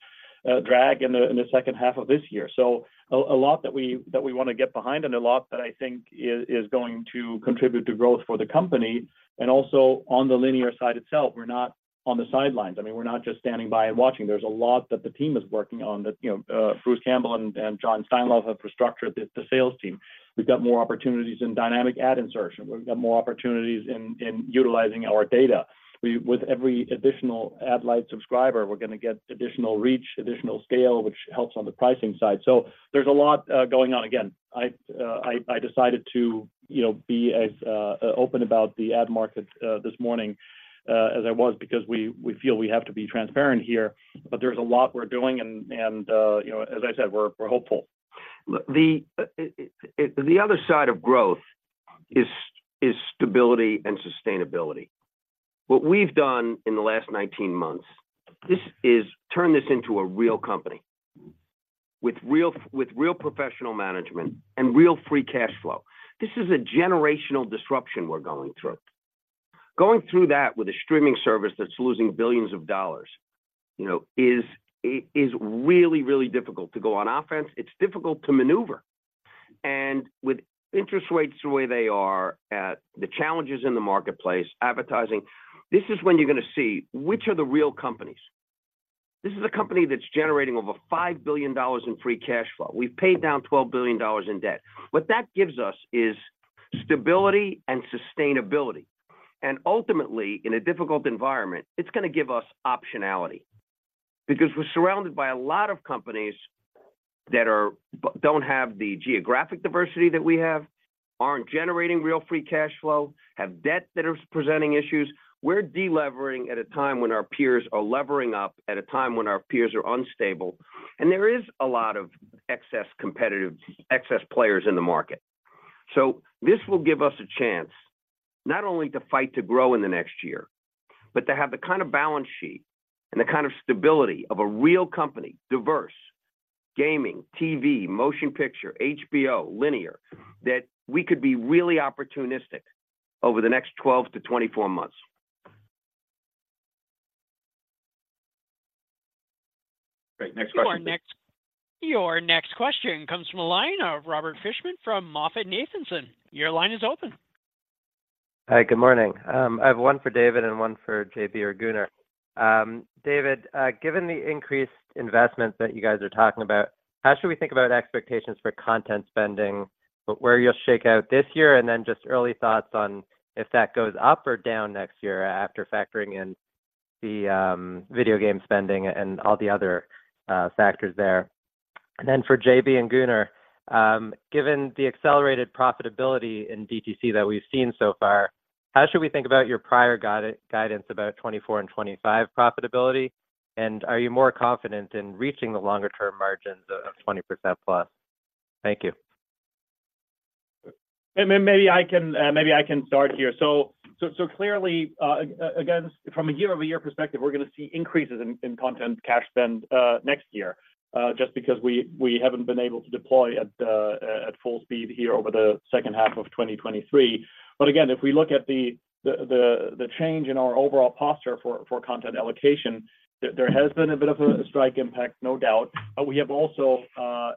drag in the second half of this year. So a lot that we wanna get behind and a lot that I think is going to contribute to growth for the company. And also on the linear side itself, we're not on the sidelines. I mean, we're not just standing by and watching. There's a lot that the team is working on that, you know, Bruce Campbell and John Steinlauf have restructured the sales team. We've got more opportunities in dynamic ad insertion. We've got more opportunities in utilizing our data. With every additional ad-lite subscriber, we're gonna get additional reach, additional scale, which helps on the pricing side. So there's a lot going on. Again, I decided to, you know, be as open about the ad market this morning as I was, because we feel we have to be transparent here. But there's a lot we're doing and, you know, as I said, we're hopeful. Look, the other side of growth is stability and sustainability. What we've done in the last 19 months, this is turn this into a real company with real, with real professional management and real free cash flow. This is a generational disruption we're going through. Going through that with a streaming service that's losing billions of dollars, you know, is really, really difficult to go on offense. It's difficult to maneuver. And with interest rates the way they are, the challenges in the marketplace, advertising, this is when you're gonna see which are the real companies. This is a company that's generating over $5 billion in free cash flow. We've paid down $12 billion in debt. What that gives us is stability and sustainability, and ultimately, in a difficult environment, it's gonna give us optionality. Because we're surrounded by a lot of companies that are, don't have the geographic diversity that we have, aren't generating real free cash flow, have debt that is presenting issues. We're delevering at a time when our peers are levering up, at a time when our peers are unstable, and there is a lot of excess competitive, excess players in the market. So this will give us a chance, not only to fight to grow in the next year, but to have the kind of balance sheet and the kind of stability of a real company, diverse, gaming, TV, motion picture, HBO, linear, that we could be really opportunistic over the next 12-24 months. Great. Next question. Your next question comes from the line of Robert Fishman from MoffettNathanson. Your line is open. Hi, good morning. I have one for David and one for JB or Gunnar. David, given the increased investment that you guys are talking about, how should we think about expectations for content spending, but where you'll shake out this year, and then just early thoughts on if that goes up or down next year after factoring in the, video game spending and all the other, factors there? And then for JB and Gunnar, given the accelerated profitability in DTC that we've seen so far, how should we think about your prior guidance about 2024 and 2025 profitability? And are you more confident in reaching the longer-term margins of 20%+? Thank you. Maybe I can start here. So clearly, again, from a year-over-year perspective, we're gonna see increases in content cash spend next year, just because we haven't been able to deploy at full speed here over the second half of 2023. But again, if we look at the change in our overall posture for content allocation, there has been a bit of a strike impact, no doubt. But we have also,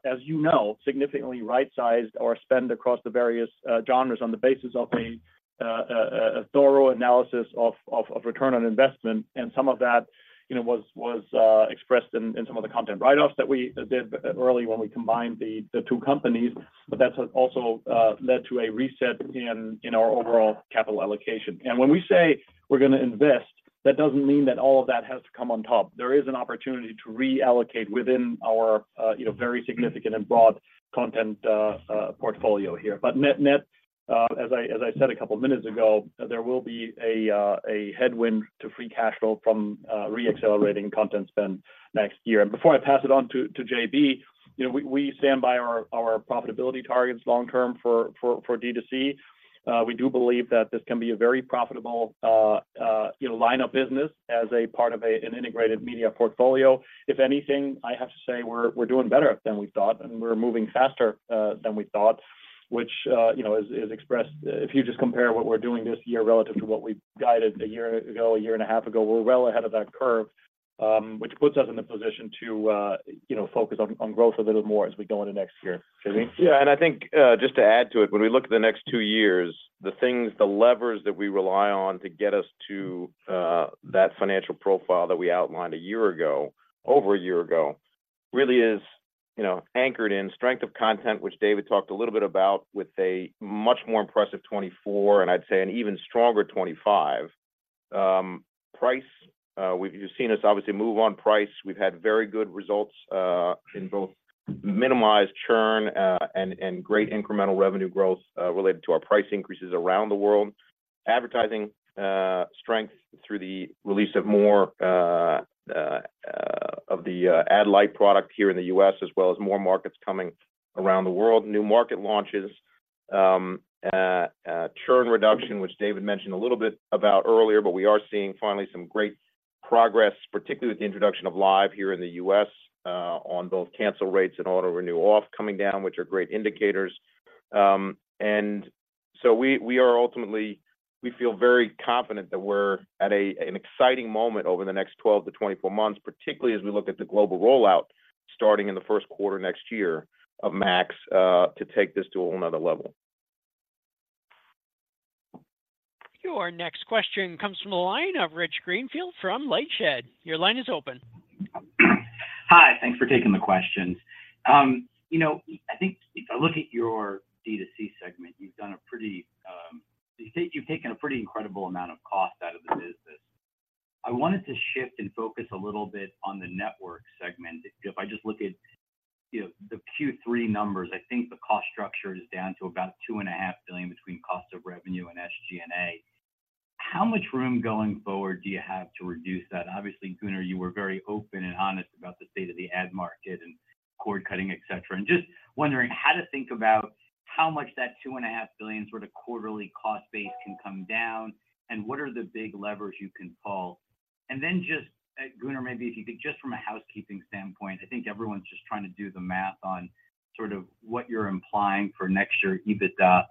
as you know, significantly right-sized our spend across the various genres on the basis of a thorough analysis of return on investment. Some of that, you know, was expressed in some of the content write-offs that we did early when we combined the two companies, but that's also led to a reset in our overall capital allocation. When we say we're gonna invest, that doesn't mean that all of that has to come on top. There is an opportunity to reallocate within our, you know, very significant and broad content portfolio here. But net, as I said a couple of minutes ago, there will be a headwind to free cash flow from re-accelerating content spend next year. Before I pass it on to JB, you know, we stand by our profitability targets long term for DTC. We do believe that this can be a very profitable, you know, line of business as part of an integrated media portfolio. If anything, I have to say we're doing better than we thought, and we're moving faster than we thought, which, you know, is expressed... If you just compare what we're doing this year relative to what we guided a year ago, a year and a half ago, we're well ahead of that curve, which puts us in a position to, you know, focus on growth a little more as we go into next year. JB? Yeah, and I think, just to add to it, when we look at the next 2 years, the things, the levers that we rely on to get us to, that financial profile that we outlined a year ago, over a year ago, really is, you know, anchored in strength of content, which David talked a little bit about, with a much more impressive 2024, and I'd say an even stronger 2025. Price, we've-- you've seen us obviously move on price. We've had very good results, in both minimized churn, and, and great incremental revenue growth, related to our price increases around the world.... advertising strength through the release of more of the ad-lite product here in the U.S., as well as more markets coming around the world. New market launches, churn reduction, which David mentioned a little bit about earlier, but we are seeing finally some great progress, particularly with the introduction of live here in the U.S., on both cancel rates and auto-renew off coming down, which are great indicators. And so we are ultimately, we feel very confident that we're at a, an exciting moment over the next 12-24 months, particularly as we look at the global rollout, starting in the first quarter next year, of Max, to take this to another level. Your next question comes from the line of Rich Greenfield from Lightshed. Your line is open. Hi, thanks for taking the questions. You know, I think if I look at your D2C segment, you've done a pretty... You've taken, you've taken a pretty incredible amount of cost out of the business. I wanted to shift and focus a little bit on the network segment. If I just look at, you know, the Q3 numbers, I think the cost structure is down to about $2.5 billion between cost of revenue and SG&A. How much room going forward do you have to reduce that? Obviously, Gunnar, you were very open and honest about the state of the ad market and cord-cutting, et cetera. And just wondering how to think about how much that $2.5 billion sort of quarterly cost base can come down, and what are the big levers you can pull? And then just, Gunnar, maybe if you could, just from a housekeeping standpoint, I think everyone's just trying to do the math on sort of what you're implying for next year EBITDA.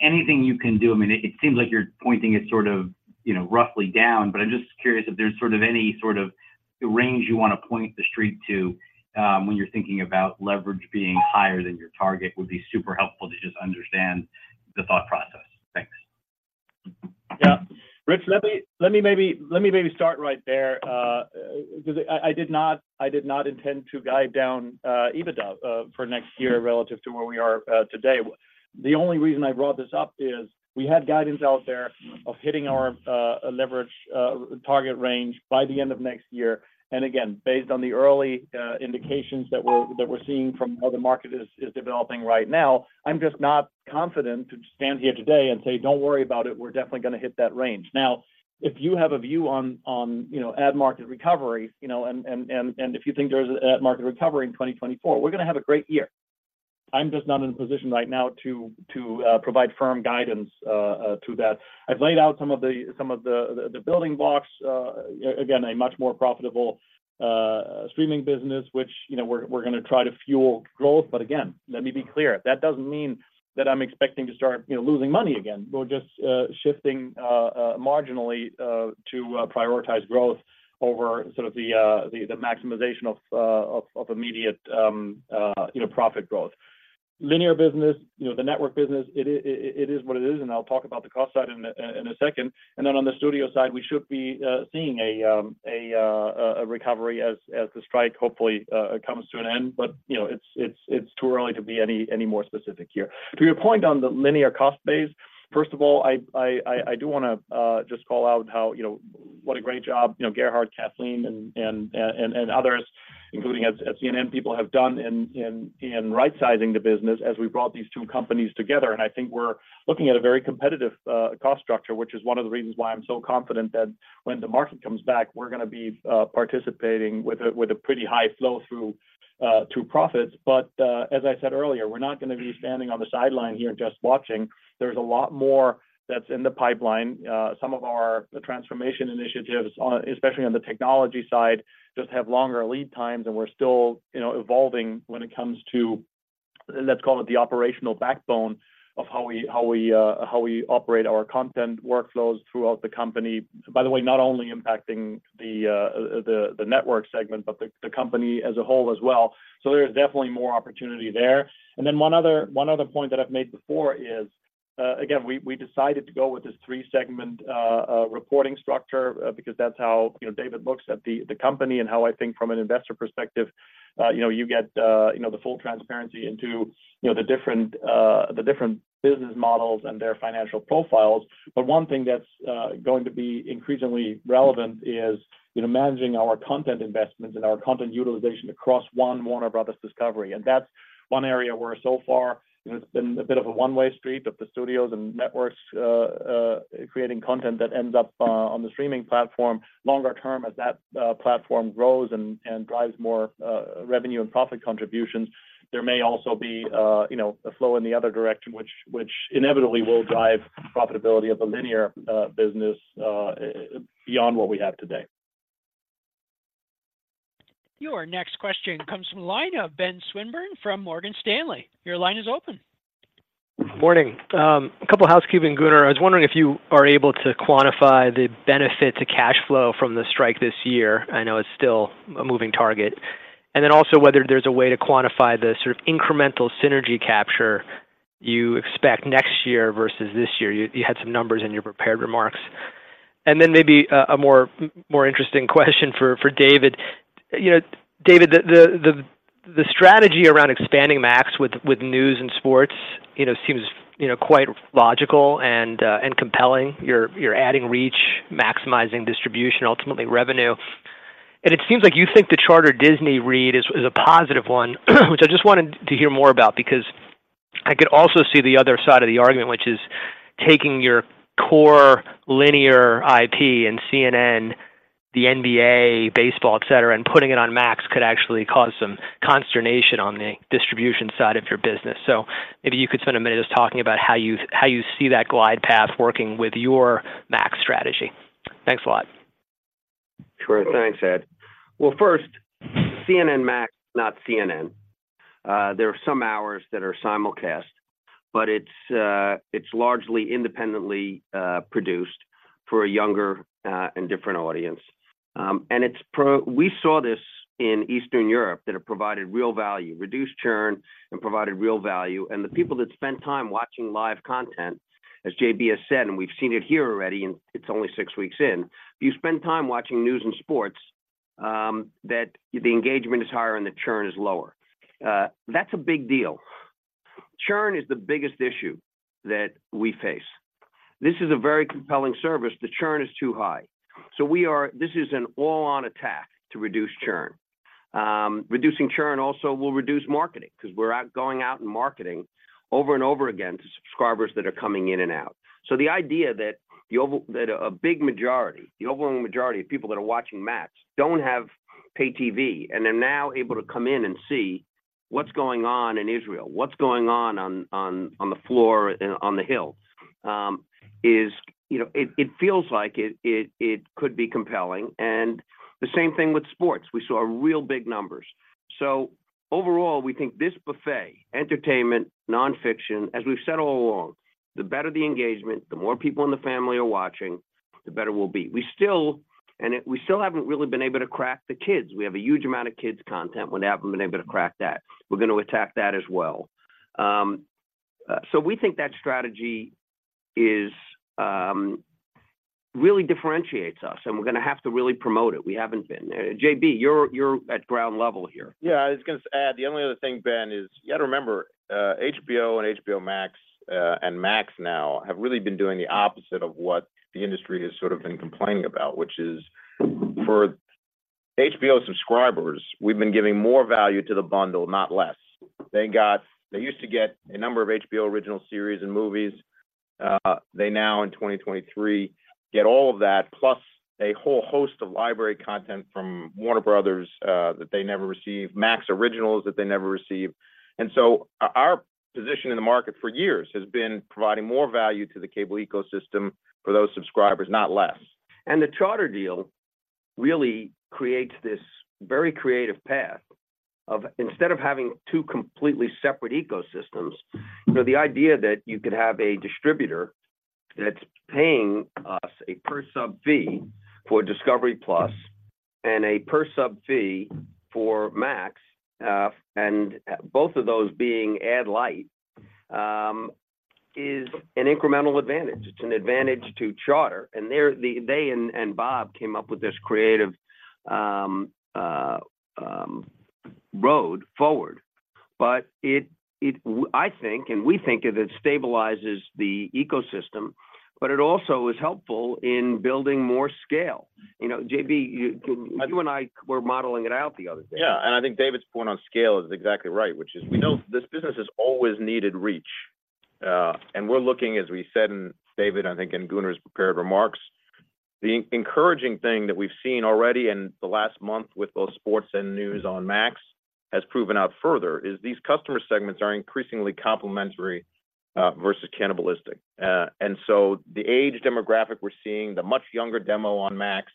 Anything you can do? I mean, it seems like you're pointing it sort of, you know, roughly down, but I'm just curious if there's sort of any sort of range you want to point the street to, when you're thinking about leverage being higher than your target, would be super helpful to just understand the thought process. Thanks. Yeah. Rich, let me maybe start right there. I did not intend to guide down EBITDA for next year relative to where we are today. The only reason I brought this up is we had guidance out there of hitting our leverage target range by the end of next year. And again, based on the early indications that we're seeing from how the market is developing right now, I'm just not confident to stand here today and say: Don't worry about it, we're definitely going to hit that range. Now, if you have a view on, you know, ad market recovery, you know, and if you think there's ad market recovery in 2024, we're going to have a great year. I'm just not in a position right now to provide firm guidance to that. I've laid out some of the building blocks, again, a much more profitable streaming business, which, you know, we're going to try to fuel growth. But again, let me be clear, that doesn't mean that I'm expecting to start, you know, losing money again. We're just shifting marginally to prioritize growth over sort of the maximization of immediate, you know, profit growth. Linear business, you know, the network business, it is what it is, and I'll talk about the cost side in a second. And then on the studio side, we should be seeing a recovery as the strike hopefully comes to an end. But, you know, it's too early to be any more specific here. To your point on the linear cost base, first of all, I do want to just call out how, you know, what a great job, you know, Gerhard, Kathleen, and others, including at CNN, people have done in right-sizing the business as we brought these two companies together. And I think we're looking at a very competitive cost structure, which is one of the reasons why I'm so confident that when the market comes back, we're going to be participating with a pretty high flow-through to profits. But, as I said earlier, we're not going to be standing on the sideline here and just watching. There's a lot more that's in the pipeline. Some of our transformation initiatives, especially on the technology side, just have longer lead times, and we're still, you know, evolving when it comes to, let's call it the operational backbone of how we operate our content workflows throughout the company. By the way, not only impacting the network segment, but the company as a whole as well. So there's definitely more opportunity there. And then one other point that I've made before is, again, we decided to go with this three-segment reporting structure because that's how, you know, David looks at the company and how I think from an investor perspective, you know, you get the full transparency into the different business models and their financial profiles. But one thing that's going to be increasingly relevant is, you know, managing our content investments and our content utilization across one Warner Bros. Discovery. And that's one area where, so far, you know, it's been a bit of a one-way street of the studios and networks creating content that ends up on the streaming platform. Longer term, as that platform grows and drives more revenue and profit contributions, there may also be, you know, a flow in the other direction, which inevitably will drive profitability of the linear business beyond what we have today. Your next question comes from the line of Ben Swinburne from Morgan Stanley. Your line is open. Morning. A couple of housekeeping, Gunnar. I was wondering if you are able to quantify the benefit to cash flow from the strike this year. I know it's still a moving target. And then also whether there's a way to quantify the sort of incremental synergy capture you expect next year versus this year. You had some numbers in your prepared remarks. And then maybe a more interesting question for David. You know, David, the strategy around expanding Max with news and sports, you know, seems, you know, quite logical and compelling. You're adding reach, maximizing distribution, ultimately revenue.... It seems like you think the Charter Disney deal is a positive one, which I just wanted to hear more about, because I could also see the other side of the argument, which is taking your core linear IP and CNN, the NBA, baseball, et cetera, and putting it on Max could actually cause some consternation on the distribution side of your business. So maybe you could spend a minute just talking about how you see that glide path working with your Max strategy. Thanks a lot. Sure. Thanks, Ben. Well, first, CNN Max, not CNN. There are some hours that are simulcast, but it's largely independently produced for a younger and different audience. And it's – we saw this in Eastern Europe, that it provided real value, reduced churn and provided real value. The people that spend time watching live content, as JB has said, and we've seen it here already, and it's only six weeks in, if you spend time watching news and sports, that the engagement is higher and the churn is lower. That's a big deal. Churn is the biggest issue that we face. This is a very compelling service. The churn is too high. So we are. This is an all-on attack to reduce churn. Reducing churn also will reduce marketing because we're going out and marketing over and over again to subscribers that are coming in and out. So the idea that a big majority, the overwhelming majority of people that are watching Max, don't have pay TV, and they're now able to come in and see what's going on in Israel, what's going on on the floor and on the Hill, you know, it could be compelling. And the same thing with sports. We saw real big numbers. So overall, we think this buffet, entertainment, nonfiction, as we've said all along, the better the engagement, the more people in the family are watching, the better we'll be. We still... And it, we still haven't really been able to crack the kids. We have a huge amount of kids' content. We haven't been able to crack that. We're going to attack that as well. So we think that strategy is really differentiates us, and we're gonna have to really promote it. We haven't been. JB, you're at ground level here. Yeah, I was gonna add, the only other thing, Ben, is you got to remember, HBO and HBO Max and Max now have really been doing the opposite of what the industry has sort of been complaining about, which is for HBO subscribers, we've been giving more value to the bundle, not less. They got, they used to get a number of HBO original series and movies. They now, in 2023, get all of that, plus a whole host of library content from Warner Bros that they never received, Max originals that they never received. And so our position in the market for years has been providing more value to the cable ecosystem for those subscribers, not less. The Charter deal really creates this very creative path of instead of having two completely separate ecosystems, you know, the idea that you could have a distributor that's paying us a per-sub fee for Discovery+ and a per-sub fee for Max, and both of those being ad light is an incremental advantage. It's an advantage to Charter, and they and Bob came up with this creative road forward. But I think, and we think, it stabilizes the ecosystem, but it also is helpful in building more scale. You know, JB, you and I were modeling it out the other day. Yeah, and I think David's point on scale is exactly right, which is we know this business has always needed reach. We're looking, as we said, and David, I think in Gunnar's prepared remarks, the encouraging thing that we've seen already in the last month with both sports and news on Max has proven out further, is these customer segments are increasingly complementary versus cannibalistic. The age demographic we're seeing, the much younger demo on Max,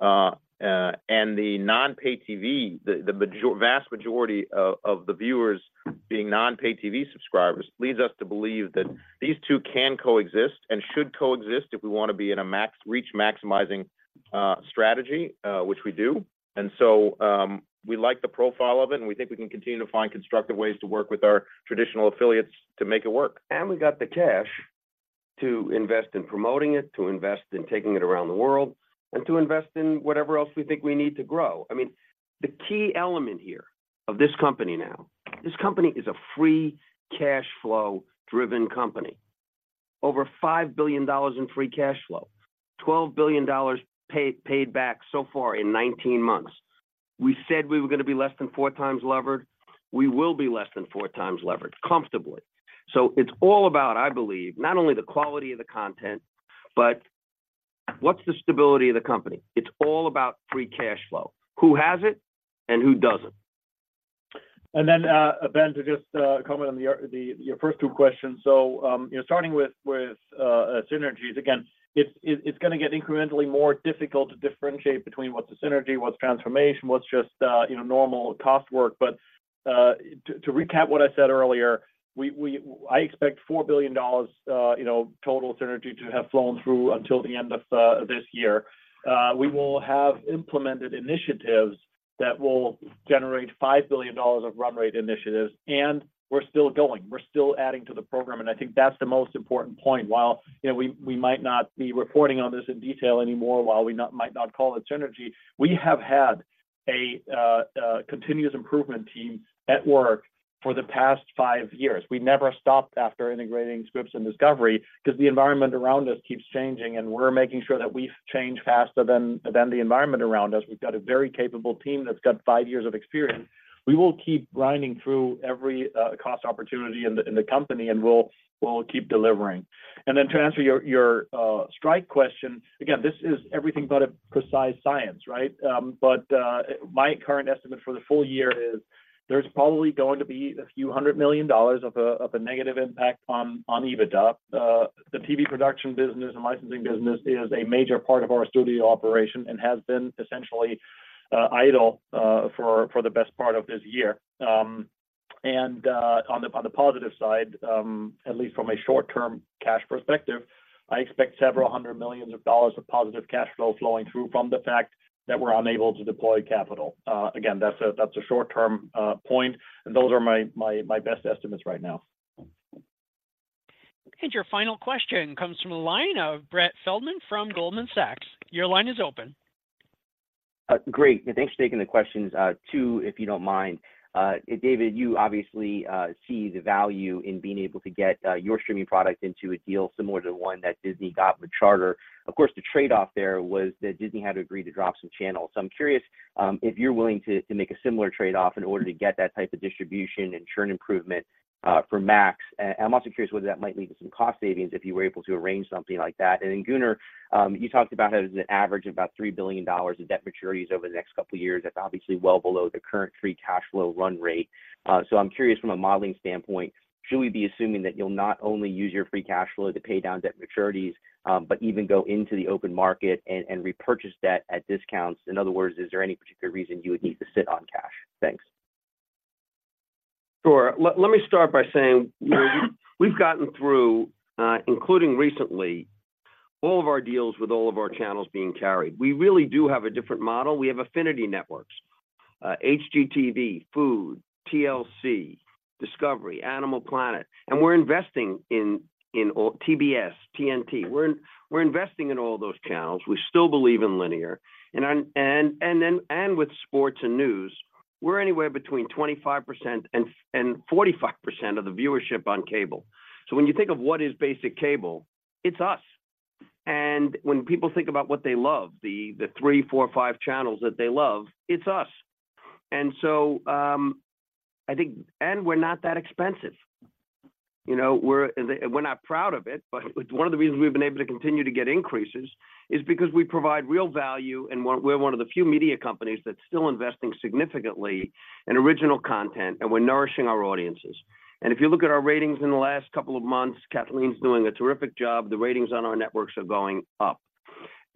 and the non-pay TV, the vast majority of the viewers being non-pay TV subscribers, leads us to believe that these two can coexist and should coexist if we wanna be in a Max reach maximizing strategy, which we do. We like the profile of it, and we think we can continue to find constructive ways to work with our traditional affiliates to make it work. We got the cash to invest in promoting it, to invest in taking it around the world, and to invest in whatever else we think we need to grow. I mean, the key element here of this company now, this company is a free cash flow-driven company. Over $5 billion in free cash flow, $12 billion paid back so far in 19 months. We said we were gonna be less than 4x levered. We will be less than 4x levered, comfortably. So it's all about, I believe, not only the quality of the content, but what's the stability of the company? It's all about free cash flow. Who has it and who doesn't? And then, Ben, to just comment on the, your first two questions. So, you know, starting with synergies, again, it's gonna get incrementally more difficult to differentiate between what's a synergy, what's transformation, what's just, you know, normal cost work. But, to recap what I said earlier, I expect $4 billion, you know, total synergy to have flown through until the end of this year. We will have implemented initiatives-... that will generate $5 billion of run rate initiatives, and we're still going. We're still adding to the program, and I think that's the most important point. While, you know, we might not be reporting on this in detail anymore, while we might not call it synergy, we have had a continuous improvement team at work for the past five years. We never stopped after integrating Scripps and Discovery because the environment around us keeps changing, and we're making sure that we change faster than the environment around us. We've got a very capable team that's got five years of experience. We will keep grinding through every cost opportunity in the company, and we'll keep delivering. And then to answer your strike question, again, this is everything but a precise science, right? But, my current estimate for the full year is there's probably going to be a few hundred $ million of a negative impact on EBITDA. The TV production business and licensing business is a major part of our studio operation and has been essentially idle for the best part of this year. On the positive side, at least from a short-term cash perspective, I expect several hundred $ million of positive cash flow flowing through from the fact that we're unable to deploy capital. Again, that's a short-term point, and those are my best estimates right now. Your final question comes from the line of Brett Feldman from Goldman Sachs. Your line is open. Great, and thanks for taking the questions. Two, if you don't mind. David, you obviously see the value in being able to get your streaming product into a deal similar to the one that Disney got with Charter. Of course, the trade-off there was that Disney had to agree to drop some channels. So I'm curious if you're willing to make a similar trade-off in order to get that type of distribution and churn improvement for Max. And I'm also curious whether that might lead to some cost savings if you were able to arrange something like that. And then, Gunnar, you talked about how there's an average of about $3 billion in debt maturities over the next couple of years. That's obviously well below the current free cash flow run rate. I'm curious, from a modeling standpoint, should we be assuming that you'll not only use your free cash flow to pay down debt maturities, but even go into the open market and repurchase debt at discounts? In other words, is there any particular reason you would need to sit on cash? Thanks. Sure. Let me start by saying... you know, we've gotten through, including recently, all of our deals with all of our channels being carried. We really do have a different model. We have affinity networks, HGTV, Food, TLC, Discovery, Animal Planet, and we're investing in all... TBS, TNT. We're investing in all those channels. We still believe in linear, and then, with sports and news, we're anywhere between 25% and 45% of the viewership on cable. So when you think of what is basic cable, it's us, and when people think about what they love, the three, four, five channels that they love, it's us. And so, I think... And we're not that expensive. You know, we're not proud of it, but one of the reasons we've been able to continue to get increases is because we provide real value, and we're one of the few media companies that's still investing significantly in original content, and we're nourishing our audiences. And if you look at our ratings in the last couple of months, Kathleen's doing a terrific job. The ratings on our networks are going up.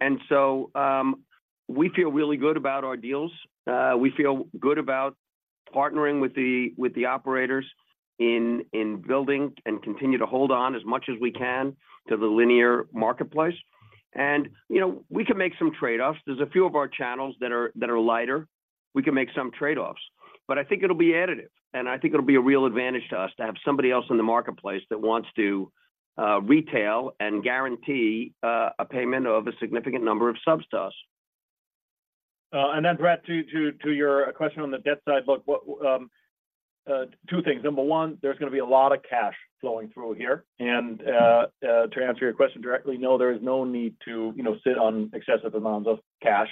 And so, we feel really good about our deals. We feel good about partnering with the operators in building and continue to hold on as much as we can to the linear marketplace. And, you know, we can make some trade-offs. There's a few of our channels that are lighter. We can make some trade-offs, but I think it'll be additive, and I think it'll be a real advantage to us to have somebody else in the marketplace that wants to retail and guarantee a payment of a significant number of subs to us. And then, Brett, to your question on the debt side, look, what two things. Number one, there's gonna be a lot of cash flowing through here, and to answer your question directly, no, there is no need to, you know, sit on excessive amounts of cash.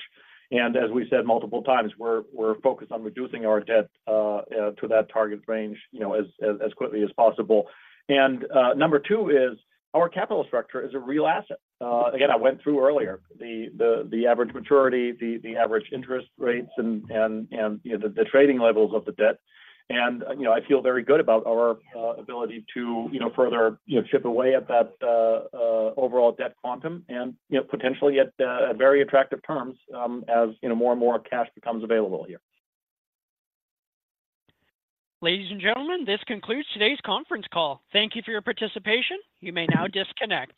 And as we said multiple times, we're focused on reducing our debt to that target range, you know, as quickly as possible. And number two is our capital structure is a real asset. Again, I went through earlier the average maturity, the average interest rates and, you know, the trading levels of the debt. You know, I feel very good about our ability to, you know, further, you know, chip away at that overall debt quantum and, you know, potentially at very attractive terms, as, you know, more and more cash becomes available here. Ladies and gentlemen, this concludes today's conference call. Thank you for your participation. You may now disconnect.